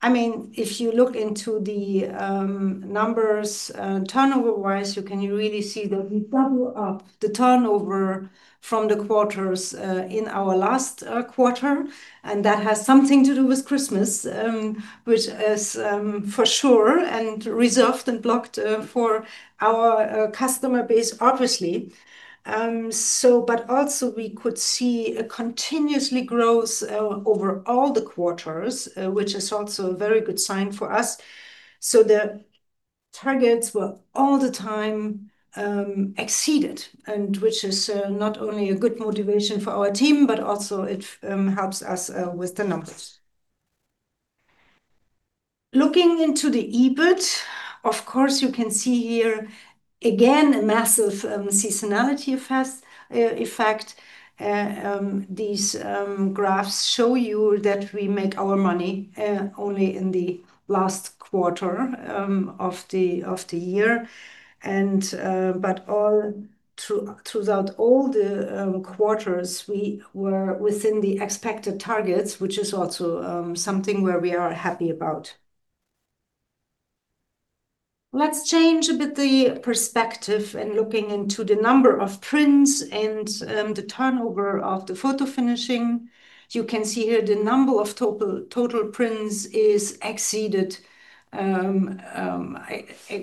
I mean, if you look into the numbers, turnover-wise, you can really see that we double up the turnover from the quarters in our last quarter, and that has something to do with Christmas, which is for sure, and reserved and blocked for our customer base obviously. But also we could see a continuous growth over all the quarters, which is also a very good sign for us. The targets were all the time exceeded, which is not only a good motivation for our team, but also it helps us with the numbers. Looking into the EBIT, of course you can see here again a massive seasonality effect. These graphs show you that we make our money only in the last quarter of the year, but all throughout all the quarters we were within the expected targets, which is also something where we are happy about. Let's change a bit the perspective and looking into the number of prints and the turnover of the photofinishing. You can see here the number of total prints. It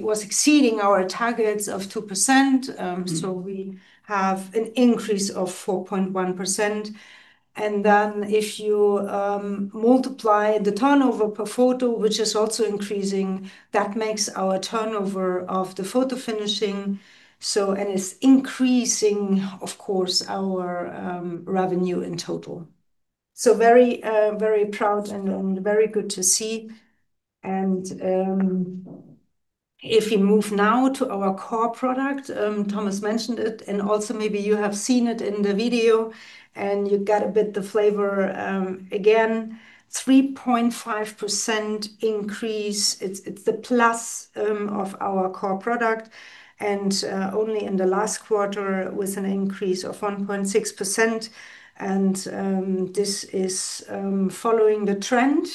was exceeding our targets of 2%, so we have an increase of 4.1%, and then if you multiply the turnover per photo, which is also increasing, that makes our turnover of the photofinishing so, and it's increasing, of course, our revenue in total. Very proud and very good to see. If you move now to our core product, Thomas mentioned it, and also maybe you have seen it in the video and you've got a bit the flavor, again, 3.5% increase. It's the plus of our core product, and only in the last quarter was an increase of 1.6%, and this is following the trend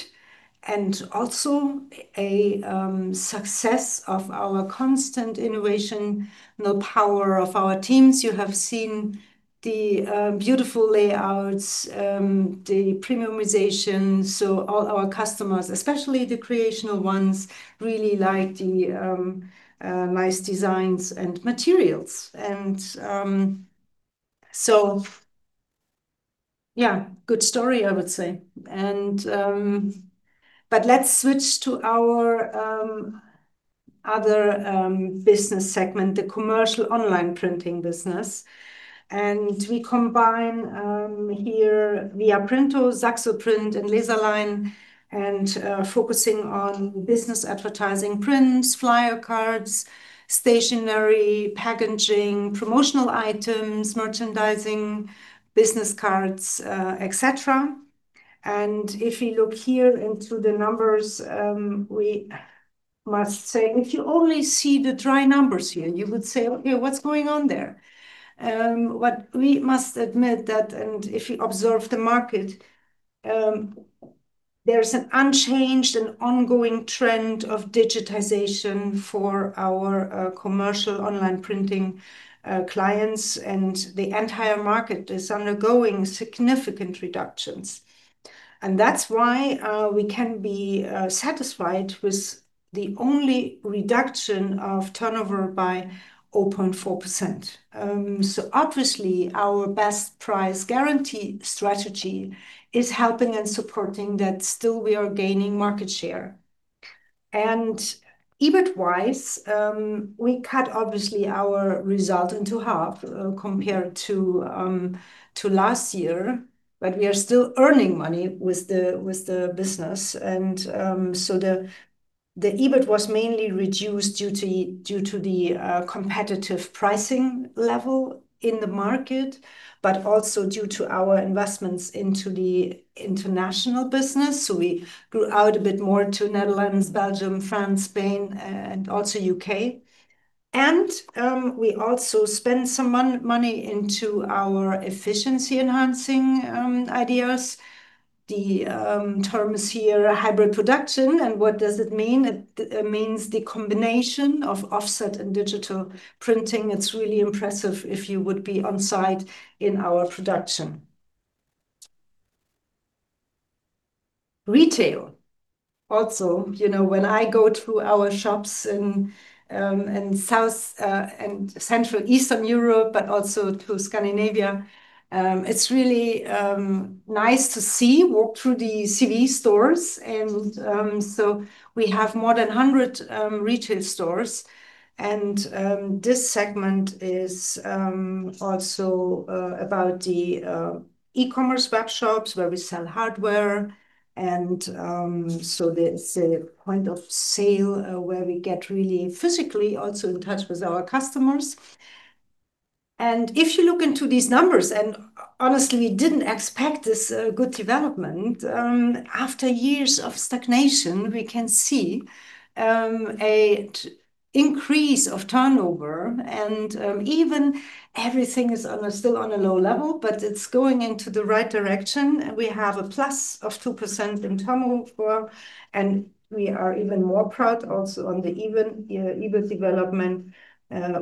and also a success of our constant innovation, the power of our teams. You have seen the beautiful layouts, the premiumization, so all our customers, especially the creative ones, really like the nice designs and materials. So yeah, good story, I would say. But let's switch to our other business segment, the commercial online printing business. We combine here viaprinto, SAXOPRINT and Laserline, and focusing on business advertising prints, flyer cards, stationery, packaging, promotional items, merchandising, business cards, et cetera. If you look here into the numbers, we must say if you only see the dry numbers here, you would say, "What's going on there?" What we must admit that, and if you observe the market, there's an unchanged and ongoing trend of digitization for our commercial online printing clients, and the entire market is undergoing significant reductions. That's why we can be satisfied with the only reduction of turnover by 0.4%. Obviously, our best price guarantee strategy is helping and supporting that still we are gaining market share. EBIT-wise, we cut obviously our result into half, compared to last year, but we are still earning money with the business. The EBIT was mainly reduced due to the competitive pricing level in the market, but also due to our investments into the international business. We grew out a bit more to Netherlands, Belgium, France, Spain, and also U.K. We also spent some money into our efficiency enhancing ideas. The terms here are hybrid printing, and what does it mean? It means the combination of offset and digital printing. It's really impressive if you would be on site in our production. Retail, also, you know, when I go to our shops in South and Central Eastern Europe, but also to Scandinavia, it's really nice to see walk through the CEWE stores. So we have more than 100 retail stores, and this segment is also about the e-commerce web shops where we sell hardware and so that's a point of sale where we get really physically also in touch with our customers. If you look into these numbers, and honestly didn't expect this good development after years of stagnation, we can see an increase of turnover and even everything is still on a low level, but it's going into the right direction, and we have a plus of 2% in turnover, and we are even more proud also on the even development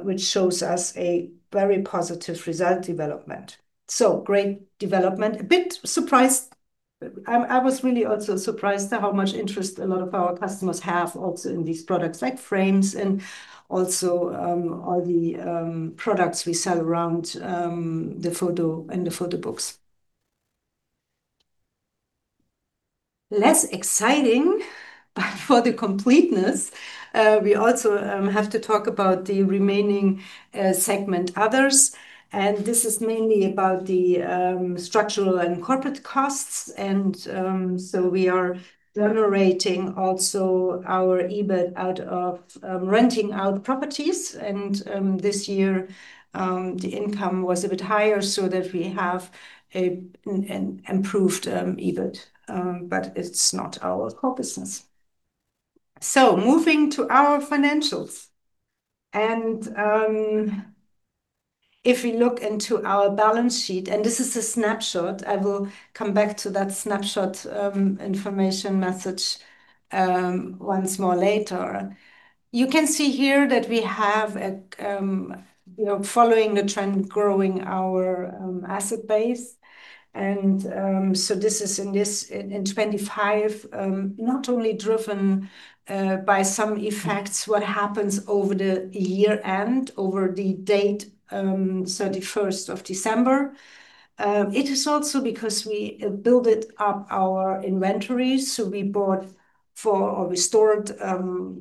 which shows us a very positive result development. Great development. A bit surprised. I was really also surprised at how much interest a lot of our customers have also in these products like frames and also all the products we sell around the photo and the photo books. Less exciting, but for the completeness, we also have to talk about the remaining segment others, and this is mainly about the structural and corporate costs. We are generating also our EBIT out of renting out properties. This year the income was a bit higher so that we have an improved EBIT, but it's not our core business. Moving to our financials. If we look into our balance sheet, and this is a snapshot, I will come back to that snapshot information message once more later. You can see here that we have a you know, following the trend, growing our asset base. This is in 2025, not only driven by some effects what happens over the year-end, over the date 31st of December. It is also because we built up our inventories, so we bought or restored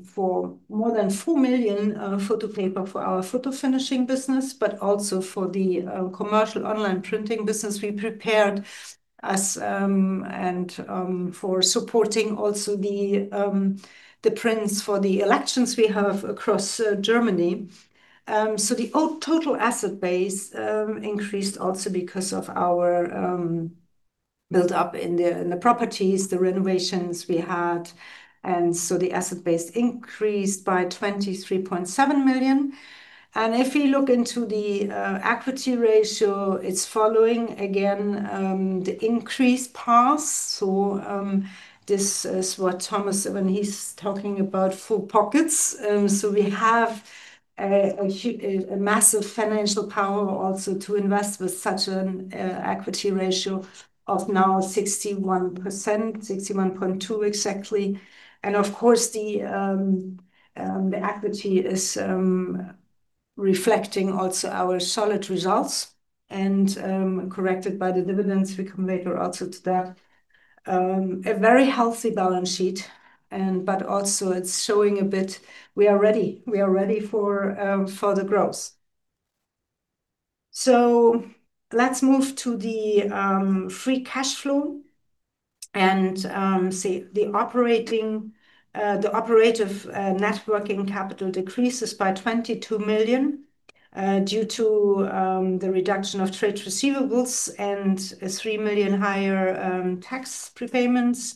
for more than 4 million photo paper for our photofinishing business, but also for the commercial online printing business we prepared as and for supporting also the prints for the elections we have across Germany. The total asset base increased also because of our build-up in the properties, the renovations we had. The asset base increased by 23.7 million. If you look into the equity ratio, it's following again the increased path. This is what Thomas, when he's talking about full pockets. We have a massive financial power also to invest with such an equity ratio of 61%, 61.2% exactly. Of course, the equity is reflecting also our solid results. Corrected by the dividends we come later also to that. A very healthy balance sheet, but also it's showing a bit we are ready. We are ready for further growth. Let's move to the free cash flow and see the operating net working capital decreases by 22 million due to the reduction of trade receivables and a 3 million higher tax prepayments.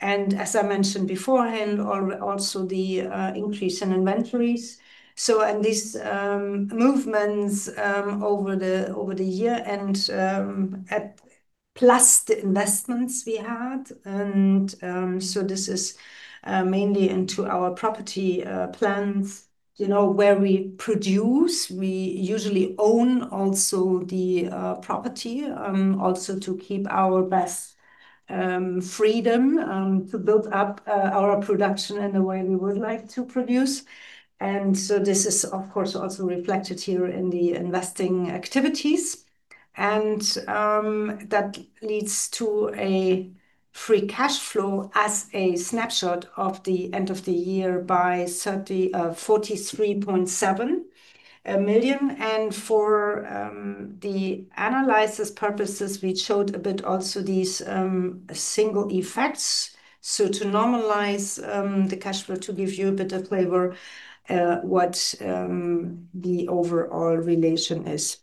As I mentioned beforehand, also the increase in inventories. These movements over the year plus the investments we had. This is mainly into our property plans. You know, where we produce, we usually own also the property also to keep our best freedom to build up our production in the way we would like to produce. This is, of course, also reflected here in the investing activities. That leads to a free cash flow as a snapshot of the end of the year of 43.7 million. For the analysis purposes, we showed a bit also these single effects to normalize the cash flow to give you a bit of flavor what the overall relation is.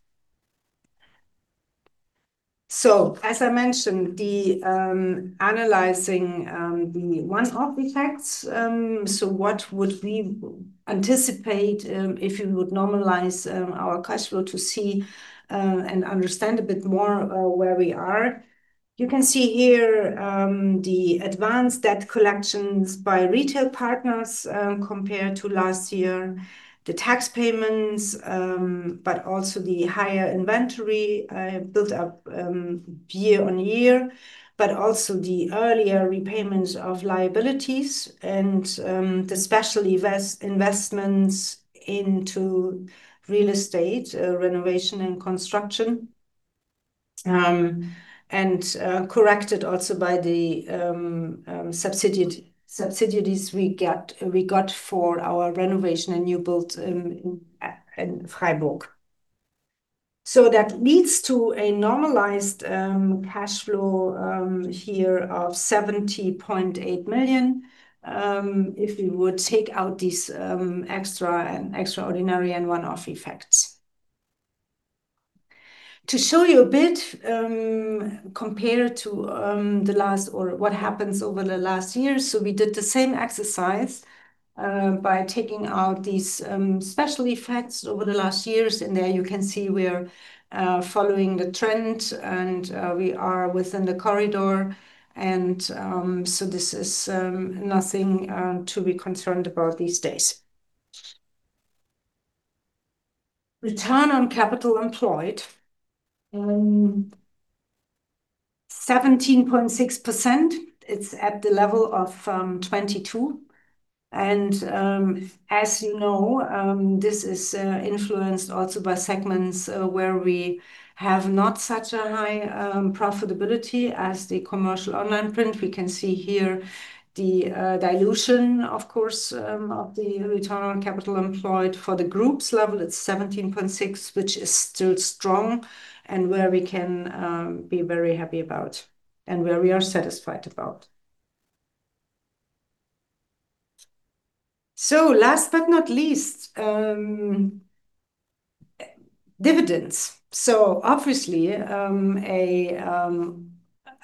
As I mentioned, analyzing the one-off effects, what would we anticipate if you would normalize our cash flow to see and understand a bit more where we are. You can see here the advanced debt collections by retail partners compared to last year, the tax payments, but also the higher inventory built up year on year, but also the earlier repayments of liabilities and the special investments into real estate renovation and construction, corrected also by the subsidies we got for our renovation and new build in Freiburg. That leads to a normalized cash flow here of 70.8 million if you would take out these extra and extraordinary and one-off effects. To show you a bit compared to the last year, we did the same exercise by taking out these special effects over the last years. There you can see we're following the trend, and we are within the corridor. This is nothing to be concerned about these days. Return on Capital Employed 17.6%. It's at the level of 22% and as you know this is influenced also by segments where we have not such a high profitability as the commercial online print. We can see here the dilution, of course, of the return on capital employed. For the Group level, it's 17.6%, which is still strong, and where we can be very happy about and where we are satisfied about. Last but not least, dividends. Obviously,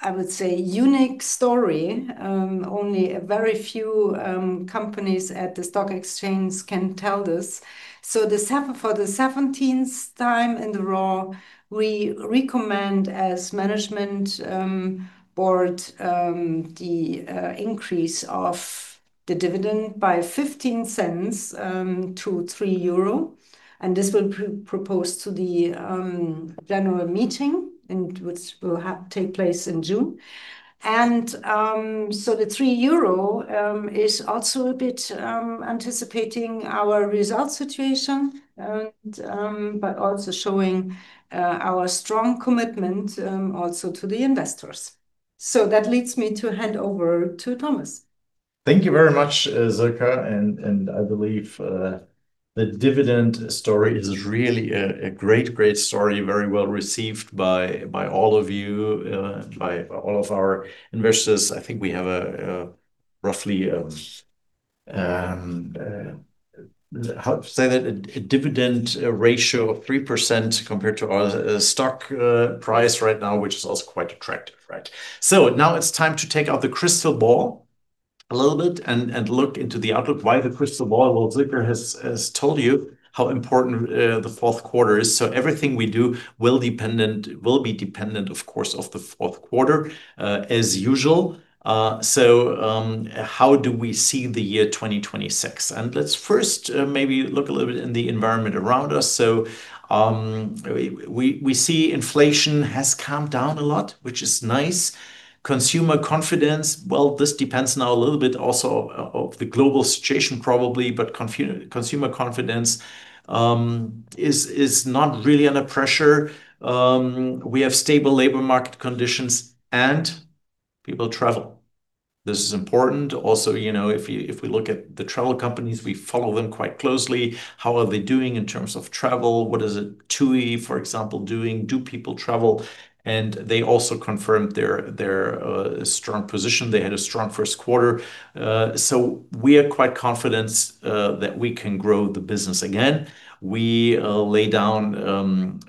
I would say unique story, only a very few companies at the stock exchange can tell this. For the 17th time in a row, we recommend as management board the increase of the dividend by 0.15 to 3 euro, and this will be proposed to the general meeting and which will take place in June. The 3 euro is also a bit anticipating our result situation and but also showing our strong commitment also to the investors. That leads me to hand over to Thomas. Thank you very much, Sirka. I believe the dividend story is really a great story, very well received by all of you, by all of our investors. I think we have a roughly a dividend ratio of 3% compared to our stock price right now, which is also quite attractive, right? Now it's time to take out the crystal ball a little bit and look into the outlook. Why the crystal ball? Well, Sirka has told you how important the fourth quarter is, so everything we do will be dependent, of course, of the fourth quarter, as usual. How do we see the year 2026? Let's first maybe look a little bit in the environment around us. We see inflation has come down a lot, which is nice. Consumer confidence, this depends now a little bit also of the global situation probably, but consumer confidence is not really under pressure. We have stable labor market conditions and people travel. This is important also, you know, we look at the travel companies, we follow them quite closely. How are they doing in terms of travel? What is it TUI, for example, doing? Do people travel? They also confirmed their strong position. They had a strong first quarter. We are quite confident that we can grow the business again. We lay down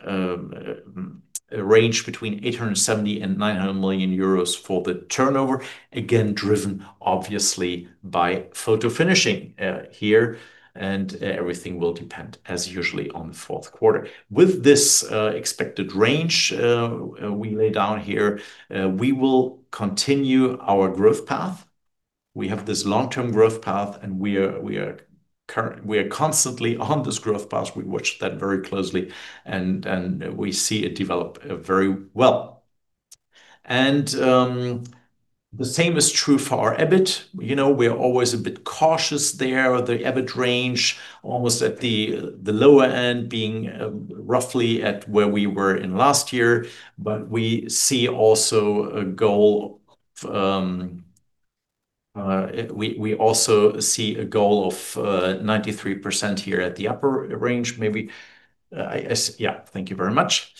a range between 870 million and 900 million euros for the turnover, again, driven obviously by photo finishing here. Everything will depend, as usual, on the fourth quarter. With this expected range we laid down here, we will continue our growth path. We have this long-term growth path, and we are constantly on this growth path. We watch that very closely, and we see it develop very well. The same is true for our EBIT. You know, we're always a bit cautious there. The EBIT range, almost at the lower end being roughly at where we were in last year, but we also see a goal of 93% here at the upper range, maybe. Yeah. Thank you very much.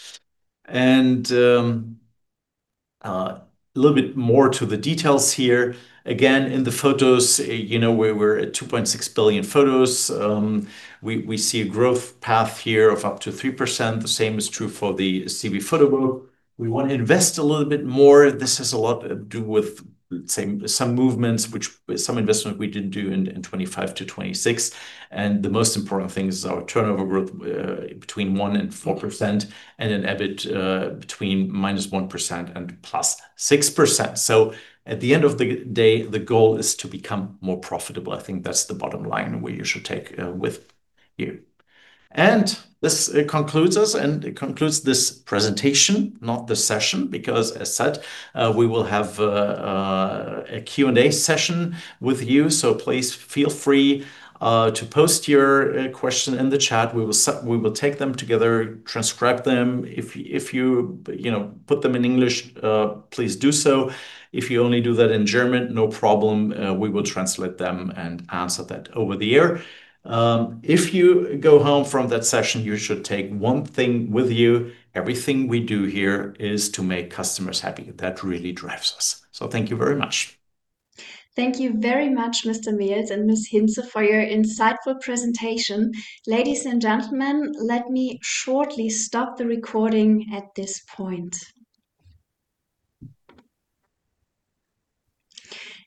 A little bit more to the details here. Again, in the photos, you know, we're at 2.6 billion photos. We see a growth path here of up to 3%. The same is true for the CEWE PHOTOBOOK. We want to invest a little bit more. This has a lot to do with, say, some movements which some investment we didn't do in 2025 to 2026. The most important thing is our turnover growth between 1% and 4% and an EBIT between -1% and +6%. At the end of the day, the goal is to become more profitable. I think that's the bottom line what you should take with you. This concludes us, and it concludes this presentation, not the session, because as said, we will have a Q&A session with you. Please feel free to post your question in the chat. We will take them together, transcribe them. If you put them in English, you know, please do so. If you only do that in German, no problem, we will translate them and answer that over the air. If you go home from that session, you should take one thing with you. Everything we do here is to make customers happy. That really drives us. Thank you very much. Thank you very much, Mr. Mehls and Ms. Hintze for your insightful presentation. Ladies and gentlemen, let me shortly stop the recording at this point.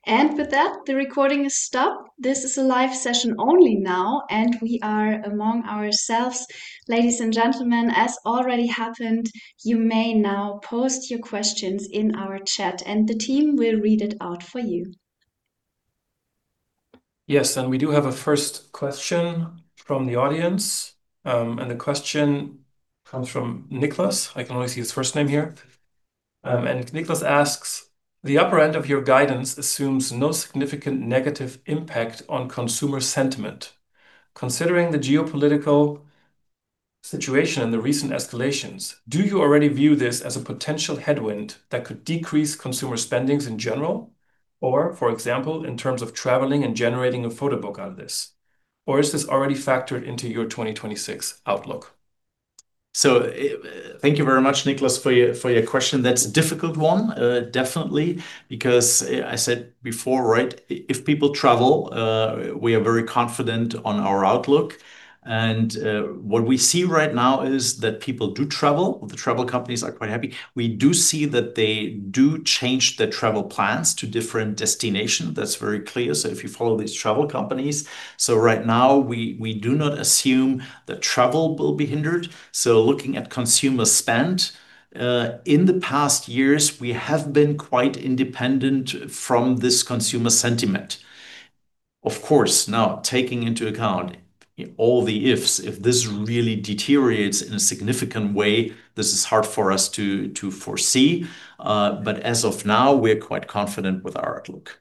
With that, the recording is stopped. This is a live session only now, and we are among ourselves. Ladies and gentlemen, as already happened, you may now post your questions in our chat, and the team will read it out for you. Yes, we do have a first question from the audience, and the question comes from Nicholas. I can only see his first name here. Nicholas asks, "The upper end of your guidance assumes no significant negative impact on consumer sentiment. Considering the geopolitical situation and the recent escalations, do you already view this as a potential headwind that could decrease consumer spending in general? Or, for example, in terms of traveling and generating a photo book out of this, or is this already factored into your 2026 outlook? Thank you very much, Nicholas, for your question. That's a difficult one, definitely because I said before, right, if people travel, we are very confident on our outlook and what we see right now is that people do travel. The travel companies are quite happy. We do see that they do change their travel plans to different destinations. That's very clear, so if you follow these travel companies. Right now, we do not assume that travel will be hindered. Looking at consumer spend, in the past years, we have been quite independent from this consumer sentiment. Of course, now taking into account all the ifs, if this really deteriorates in a significant way, this is hard for us to foresee. But as of now, we're quite confident with our outlook.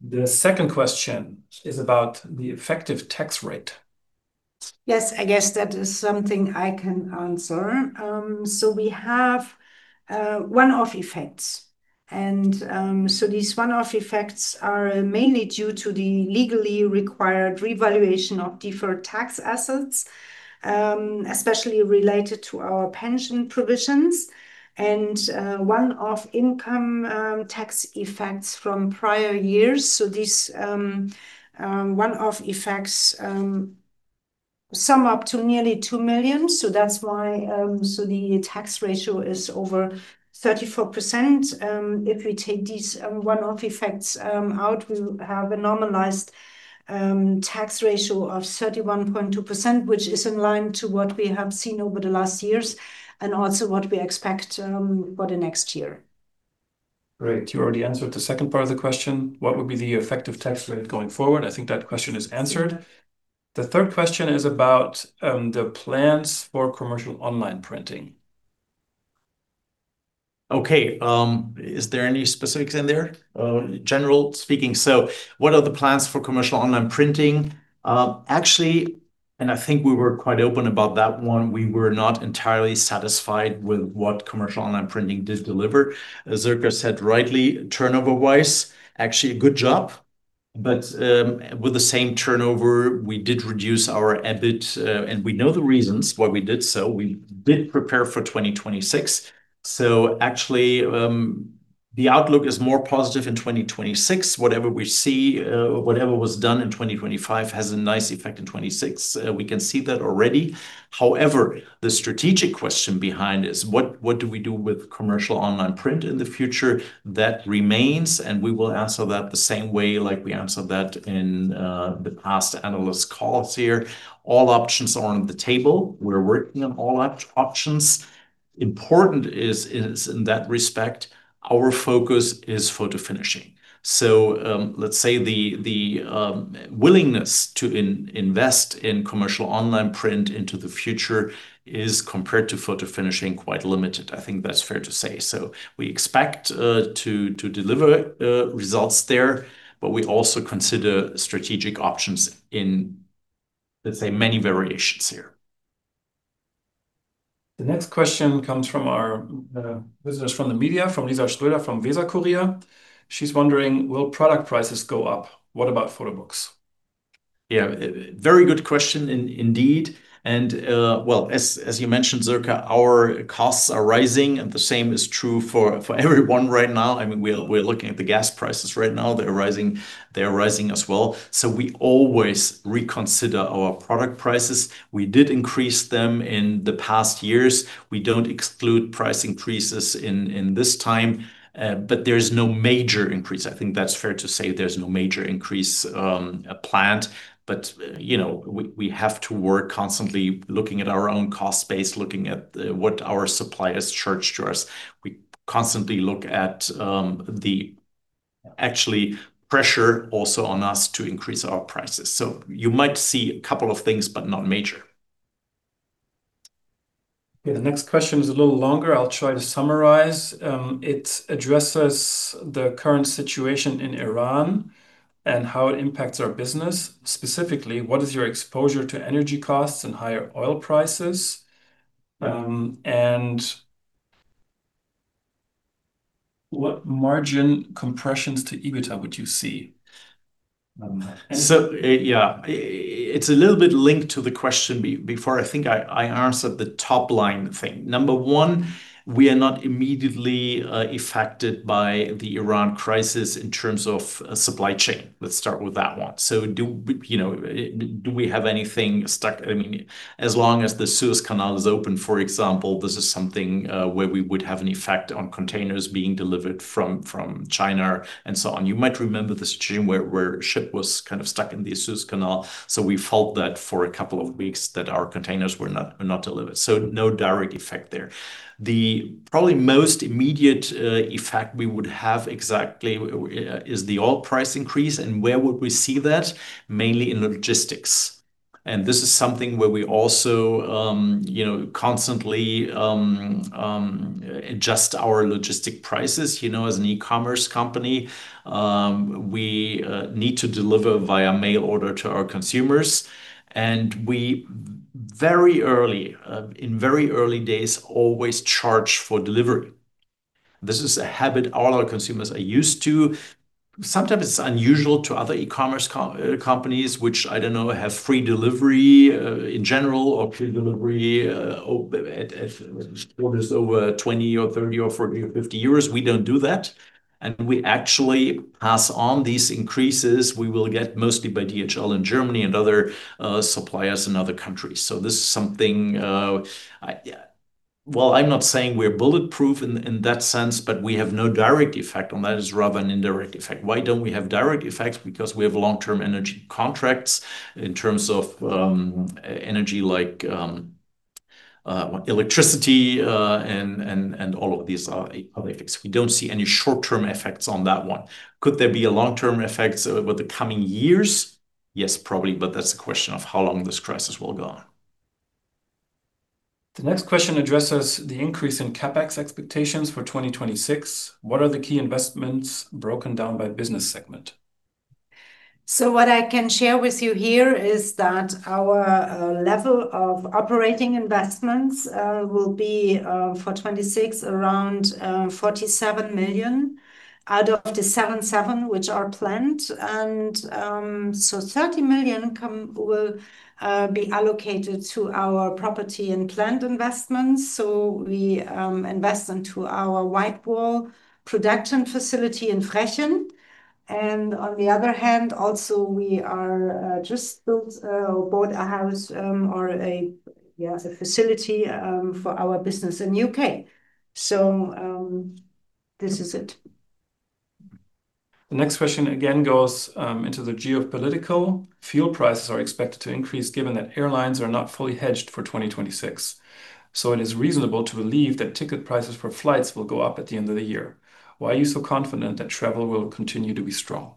The second question is about the effective tax rate. Yes, I guess that is something I can answer. We have one-off effects, and so these one-off effects are mainly due to the legally required revaluation of deferred tax assets, especially related to our pension provisions, and one-off income tax effects from prior years. These one-off effects sum up to nearly 2 million, so that's why the tax ratio is over 34%. If we take these one-off effects out, we have a normalized tax ratio of 31.2%, which is in line with what we have seen over the last years and also what we expect for the next year. Right. You already answered the second part of the question. What would be the effective tax rate going forward? I think that question is answered. The third question is about the plans for commercial online printing. Okay. Is there any specifics in there? Generally speaking, what are the plans for commercial online printing? Actually, I think we were quite open about that one. We were not entirely satisfied with what commercial online printing did deliver. As Sirka said rightly, turnover-wise, actually a good job. With the same turnover, we did reduce our EBIT, and we know the reasons why we did so. We did prepare for 2026. Actually, the outlook is more positive in 2026. Whatever we see, whatever was done in 2025 has a nice effect in 2026. We can see that already. However, the strategic question behind is what do we do with commercial online print in the future? That remains. We will answer that the same way like we answered that in the past analyst calls here. All options are on the table. We're working on all options. Important is in that respect, our focus is photo finishing. Let's say the willingness to invest in commercial online print into the future is, compared to photo finishing, quite limited. I think that's fair to say. We expect to deliver results there, but we also consider strategic options in, let's say, many variations here. The next question comes from our visitors from the media, from Lisa Schröder, from Weser-Kurier. She's wondering, will product prices go up? What about photo books? Yeah. Very good question indeed, and well, as you mentioned, Sirka, our costs are rising, and the same is true for everyone right now. I mean, we're looking at the gas prices right now. They're rising as well. We always reconsider our product prices. We did increase them in the past years. We don't exclude price increases in this time, but there's no major increase. I think that's fair to say there's no major increase planned. You know, we have to work constantly looking at our own cost base, looking at what our suppliers charge to us. We constantly look at the actual pressure also on us to increase our prices. You might see a couple of things, but not major. Okay. The next question is a little longer. I'll try to summarize. It addresses the current situation in Iran and how it impacts our business, specifically, what is your exposure to energy costs and higher oil prices? What margin compressions to EBITDA would you see? It's a little bit linked to the question before. I think I answered the top line thing. Number one, we are not immediately affected by the Iran crisis in terms of supply chain. Let's start with that one. You know, do we have anything stuck. I mean, as long as the Suez Canal is open, for example, this is something where we would have an effect on containers being delivered from China and so on. You might remember the situation where a ship was kind of stuck in the Suez Canal, so we felt that for a couple of weeks that our containers were not delivered. No direct effect there. The probably most immediate effect we would have exactly is the oil price increase, and where would we see that? Mainly in logistics, and this is something where we also, you know, constantly adjust our logistics prices. You know, as an e-commerce company, we need to deliver via mail order to our consumers and we very early in very early days always charge for delivery. This is a habit all our consumers are used to. Sometimes it's unusual to other e-commerce companies which, I don't know, have free delivery in general or free delivery at orders over 20, 30, 40 or 50 euros. We don't do that, and we actually pass on these increases we will get mostly by DHL in Germany and other suppliers in other countries. This is something, I. Well, I'm not saying we're bulletproof in that sense, but we have no direct effect on that. It's rather an indirect effect. Why don't we have direct effects? Because we have long-term energy contracts in terms of energy like electricity and all of these other effects. We don't see any short-term effects on that one. Could there be a long-term effect over the coming years? Yes, probably, but that's a question of how long this crisis will go on. The next question addresses the increase in CapEx expectations for 2026. What are the key investments broken down by business segment? What I can share with you here is that our level of operating investments will be for 2026 around 47 million out of the 77 million which are planned. 30 million will be allocated to our property and plant investments. We invest into our WhiteWall production facility in Frechen. On the other hand also we are just built or bought a facility for our business in the U.K. This is it. The next question again goes into the geopolitical. Fuel prices are expected to increase given that airlines are not fully hedged for 2026, so it is reasonable to believe that ticket prices for flights will go up at the end of the year. Why are you so confident that travel will continue to be strong?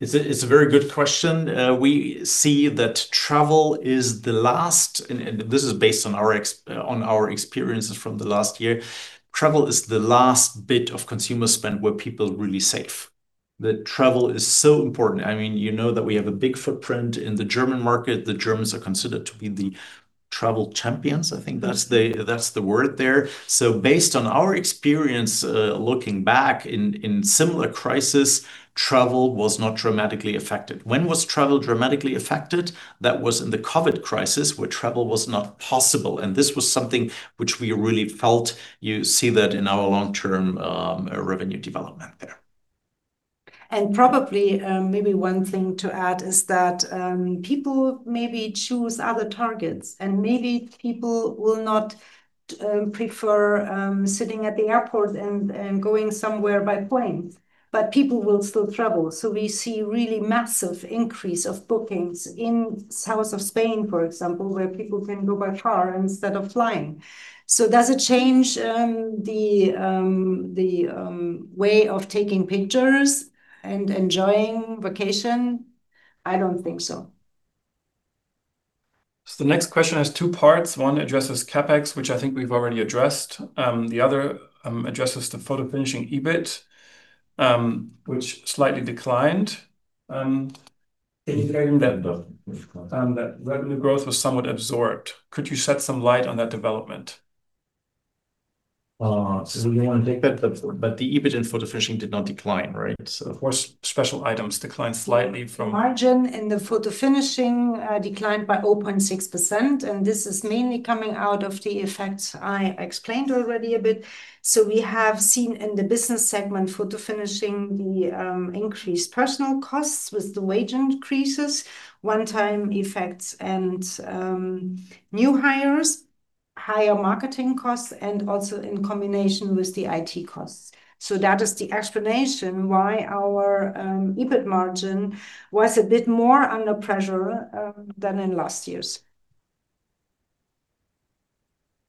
It's a very good question. We see that travel is the last, and this is based on our experiences from the last year. Travel is the last bit of consumer spend where people are really safe, that travel is so important. I mean, you know that we have a big footprint in the German market. The Germans are considered to be the travel champions. I think that's the word there. Based on our experience, looking back in similar crisis, travel was not dramatically affected. When was travel dramatically affected? That was in the COVID crisis where travel was not possible, and this was something which we really felt. You see that in our long-term revenue development there. Probably, maybe one thing to add is that people maybe choose other targets, and maybe people will not prefer sitting at the airport and going somewhere by plane, but people will still travel. We see really massive increase of bookings in south of Spain, for example, where people can go by car instead of flying. Does it change the way of taking pictures and enjoying vacation? I don't think so. The next question has two parts. One addresses CapEx, which I think we've already addressed. The other addresses the photofinishing EBIT, which slightly declined, indicating that revenue growth was somewhat absorbed. Could you shed some light on that development? Do you want to take that? The EBIT in photofinishing did not decline, right? Of course, special items declined slightly from Margin in the photofinishing declined by 0.6%, and this is mainly coming out of the effects I explained already a bit. We have seen in the business segment photofinishing the increased personnel costs with the wage increases, one-time effects and new hires, higher marketing costs, and also in combination with the IT costs. That is the explanation why our EBIT margin was a bit more under pressure than in last years.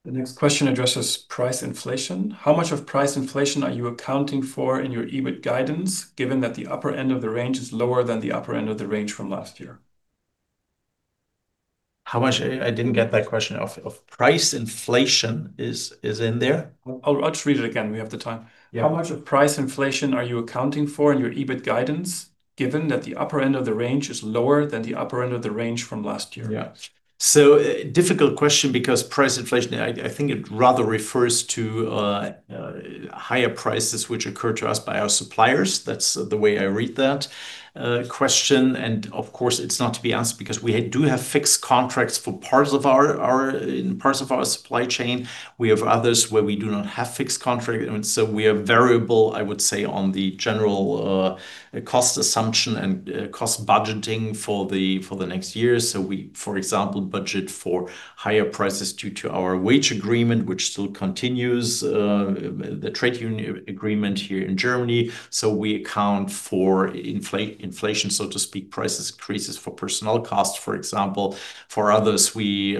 The next question addresses price inflation. How much of price inflation are you accounting for in your EBIT guidance given that the upper end of the range is lower than the upper end of the range from last year? I didn't get that question. How much of price inflation is in there? I'll just read it again, we have the time. Yeah. How much of price inflation are you accounting for in your EBIT guidance, given that the upper end of the range is lower than the upper end of the range from last year? Yeah. Difficult question because price inflation, I think it rather refers to higher prices which occur to us by our suppliers. That's the way I read that question. Of course, it's not to be asked because we do have fixed contracts for parts of our supply chain. We have others where we do not have fixed contract, and so we are variable, I would say, on the general cost assumption and cost budgeting for the next year. We, for example, budget for higher prices due to our wage agreement, which still continues the trade union agreement here in Germany. We account for inflation, so to speak, price increases for personnel costs, for example. For others, we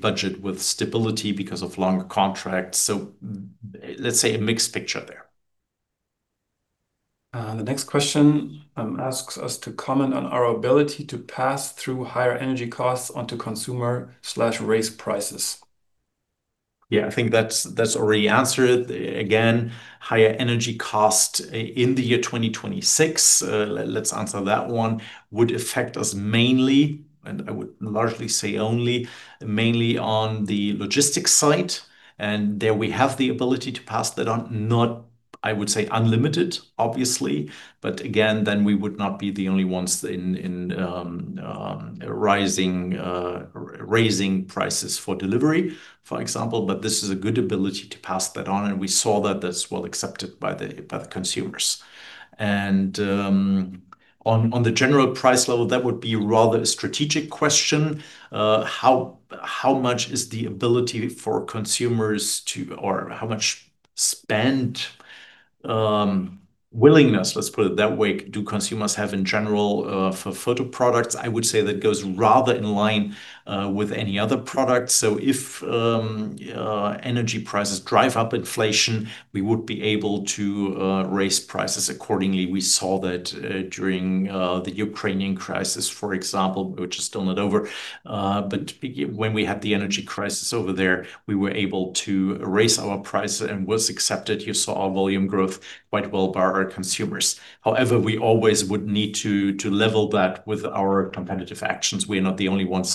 budget with stability because of long contracts. Let's say a mixed picture there. The next question asks us to comment on our ability to pass through higher energy costs onto consumers and raise prices. Yeah. I think that's already answered. Again, higher energy cost in the year 2026, let's answer that one, would affect us mainly, and I would largely say only, mainly on the logistics side. There we have the ability to pass that on, not, I would say, unlimited obviously, but again, then we would not be the only ones in raising prices for delivery, for example. This is a good ability to pass that on, and we saw that that's well accepted by the consumers. On the general price level, that would be rather a strategic question. How much is the ability for consumers to or how much spending willingness, let's put it that way, do consumers have in general for photo products? I would say that goes rather in line with any other product. If energy prices drive up inflation, we would be able to raise prices accordingly. We saw that during the Ukrainian crisis, for example, which is still not over. When we had the energy crisis over there, we were able to raise our price and was accepted. You saw our volume growth quite well by our consumers. However, we always would need to level that with our competitive actions. We're not the only ones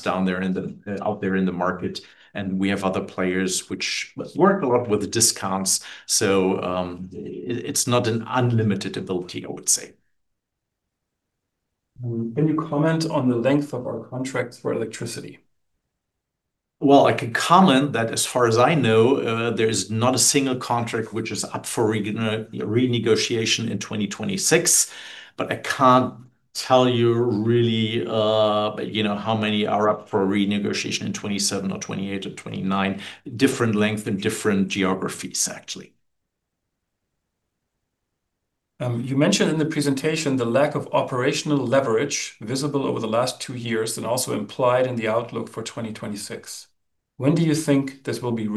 out there in the market, and we have other players which work a lot with discounts. It's not an unlimited ability, I would say. Can you comment on the length of our contracts for electricity? Well, I could comment that as far as I know, there is not a single contract which is up for renegotiation in 2026. I can't tell you really, you know, how many are up for renegotiation in 2027 or 2028 or 2029. Different length and different geographies, actually. You mentioned in the presentation the lack of operational leverage visible over the last two years, and also implied in the outlook for 2026. When do you think this will be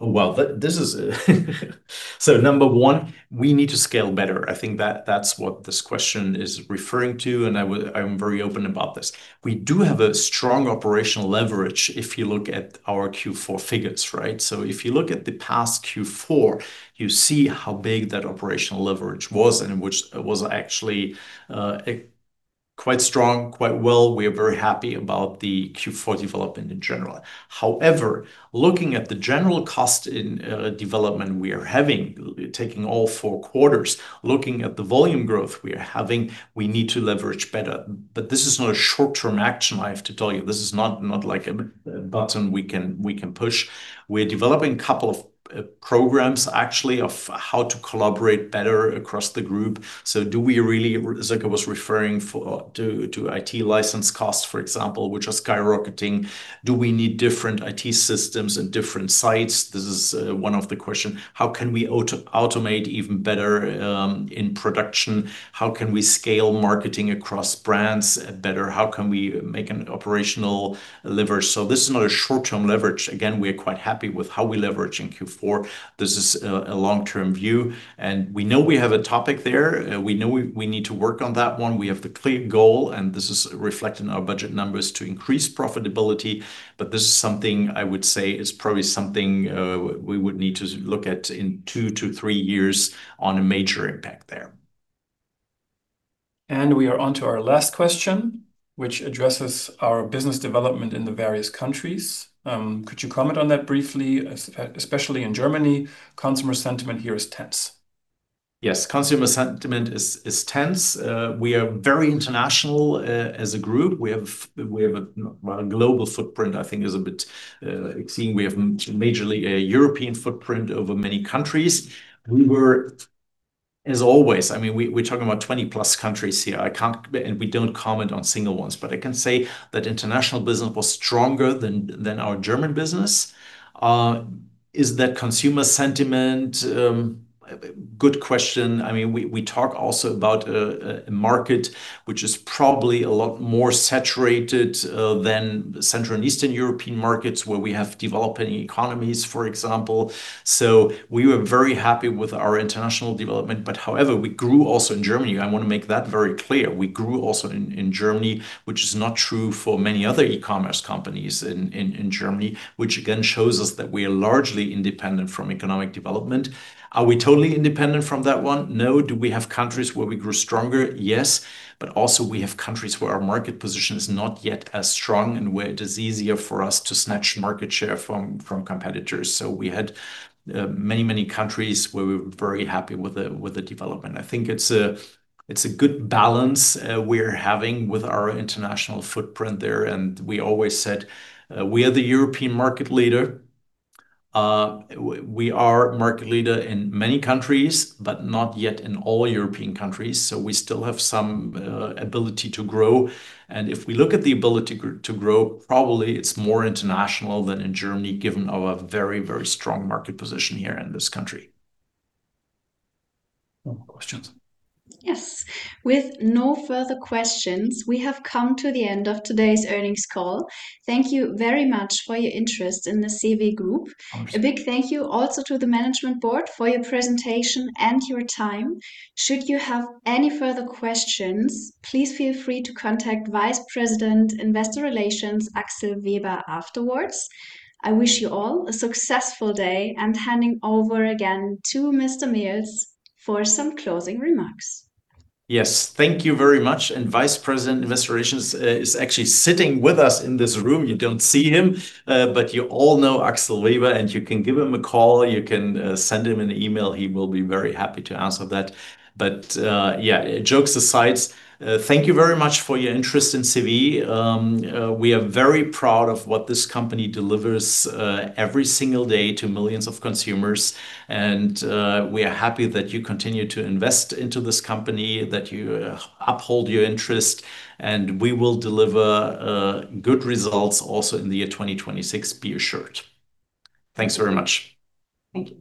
re-established? This is number one, we need to scale better. I think that's what this question is referring to, and I'm very open about this. We do have a strong operational leverage if you look at our Q4 figures, right? If you look at the past Q4, you see how big that operational leverage was, and which was actually quite strong, quite well. We're very happy about the Q4 development in general. However, looking at the general cost development we are having, taking all four quarters, looking at the volume growth we are having, we need to leverage better. This is not a short-term action, I have to tell you. This is not like a button we can push. We're developing couple of programs actually of how to collaborate better across the group. Do we really, as Sirka was referring to IT license costs, for example, which are skyrocketing. Do we need different IT systems in different sites? This is one of the question. How can we automate even better in production? How can we scale marketing across brands better? How can we make an operational leverage? This is not a short-term leverage. Again, we're quite happy with how we leverage in Q4. This is a long-term view, and we know we have a topic there. We know we need to work on that one. We have the clear goal, and this is reflected in our budget numbers to increase profitability. But this is something I would say is probably we would need to look at in 2-3 years on a major impact there. We are onto our last question, which addresses our business development in the various countries. Could you comment on that briefly, especially in Germany? Consumer sentiment here is tense. Yes. Consumer sentiment is tense. We are very international as a group. We have, well, a global footprint I think is a bit exceeding. We have mainly a European footprint over many countries. As always, I mean, we're talking about 20-plus countries here. We don't comment on single ones. I can say that international business was stronger than our German business. Is that consumer sentiment? Good question. I mean, we talk also about a market which is probably a lot more saturated than Central and Eastern European markets where we have developing economies, for example. We were very happy with our international development, but however, we grew also in Germany. I wanna make that very clear. We grew also in Germany, which is not true for many other e-commerce companies in Germany, which again shows us that we are largely independent from economic development. Are we totally independent from that one? No. Do we have countries where we grew stronger? Yes. Also we have countries where our market position is not yet as strong and where it is easier for us to snatch market share from competitors. We had many countries where we were very happy with the development. I think it's a good balance we're having with our international footprint there, and we always said we are the European market leader. We are market leader in many countries, but not yet in all European countries, so we still have some ability to grow. If we look at the ability to grow, probably it's more international than in Germany given our very, very strong market position here in this country. No more questions. Yes. With no further questions, we have come to the end of today's earnings call. Thank you very much for your interest in the CEWE Group. Absolutely. A big thank you also to the management board for your presentation and your time. Should you have any further questions, please feel free to contact Vice President Investor Relations, Axel Weber afterwards. I wish you all a successful day, and handing over again to Mr. Mehls for some closing remarks. Yes. Thank you very much, and Vice President Investor Relations is actually sitting with us in this room. You don't see him, but you all know Axel Weber, and you can give him a call. You can send him an email. He will be very happy to answer that. Yeah, jokes aside, thank you very much for your interest in CEWE. We are very proud of what this company delivers every single day to millions of consumers and we are happy that you continue to invest into this company, that you uphold your interest. We will deliver good results also in the year 2026, be assured. Thanks very much. Thank you.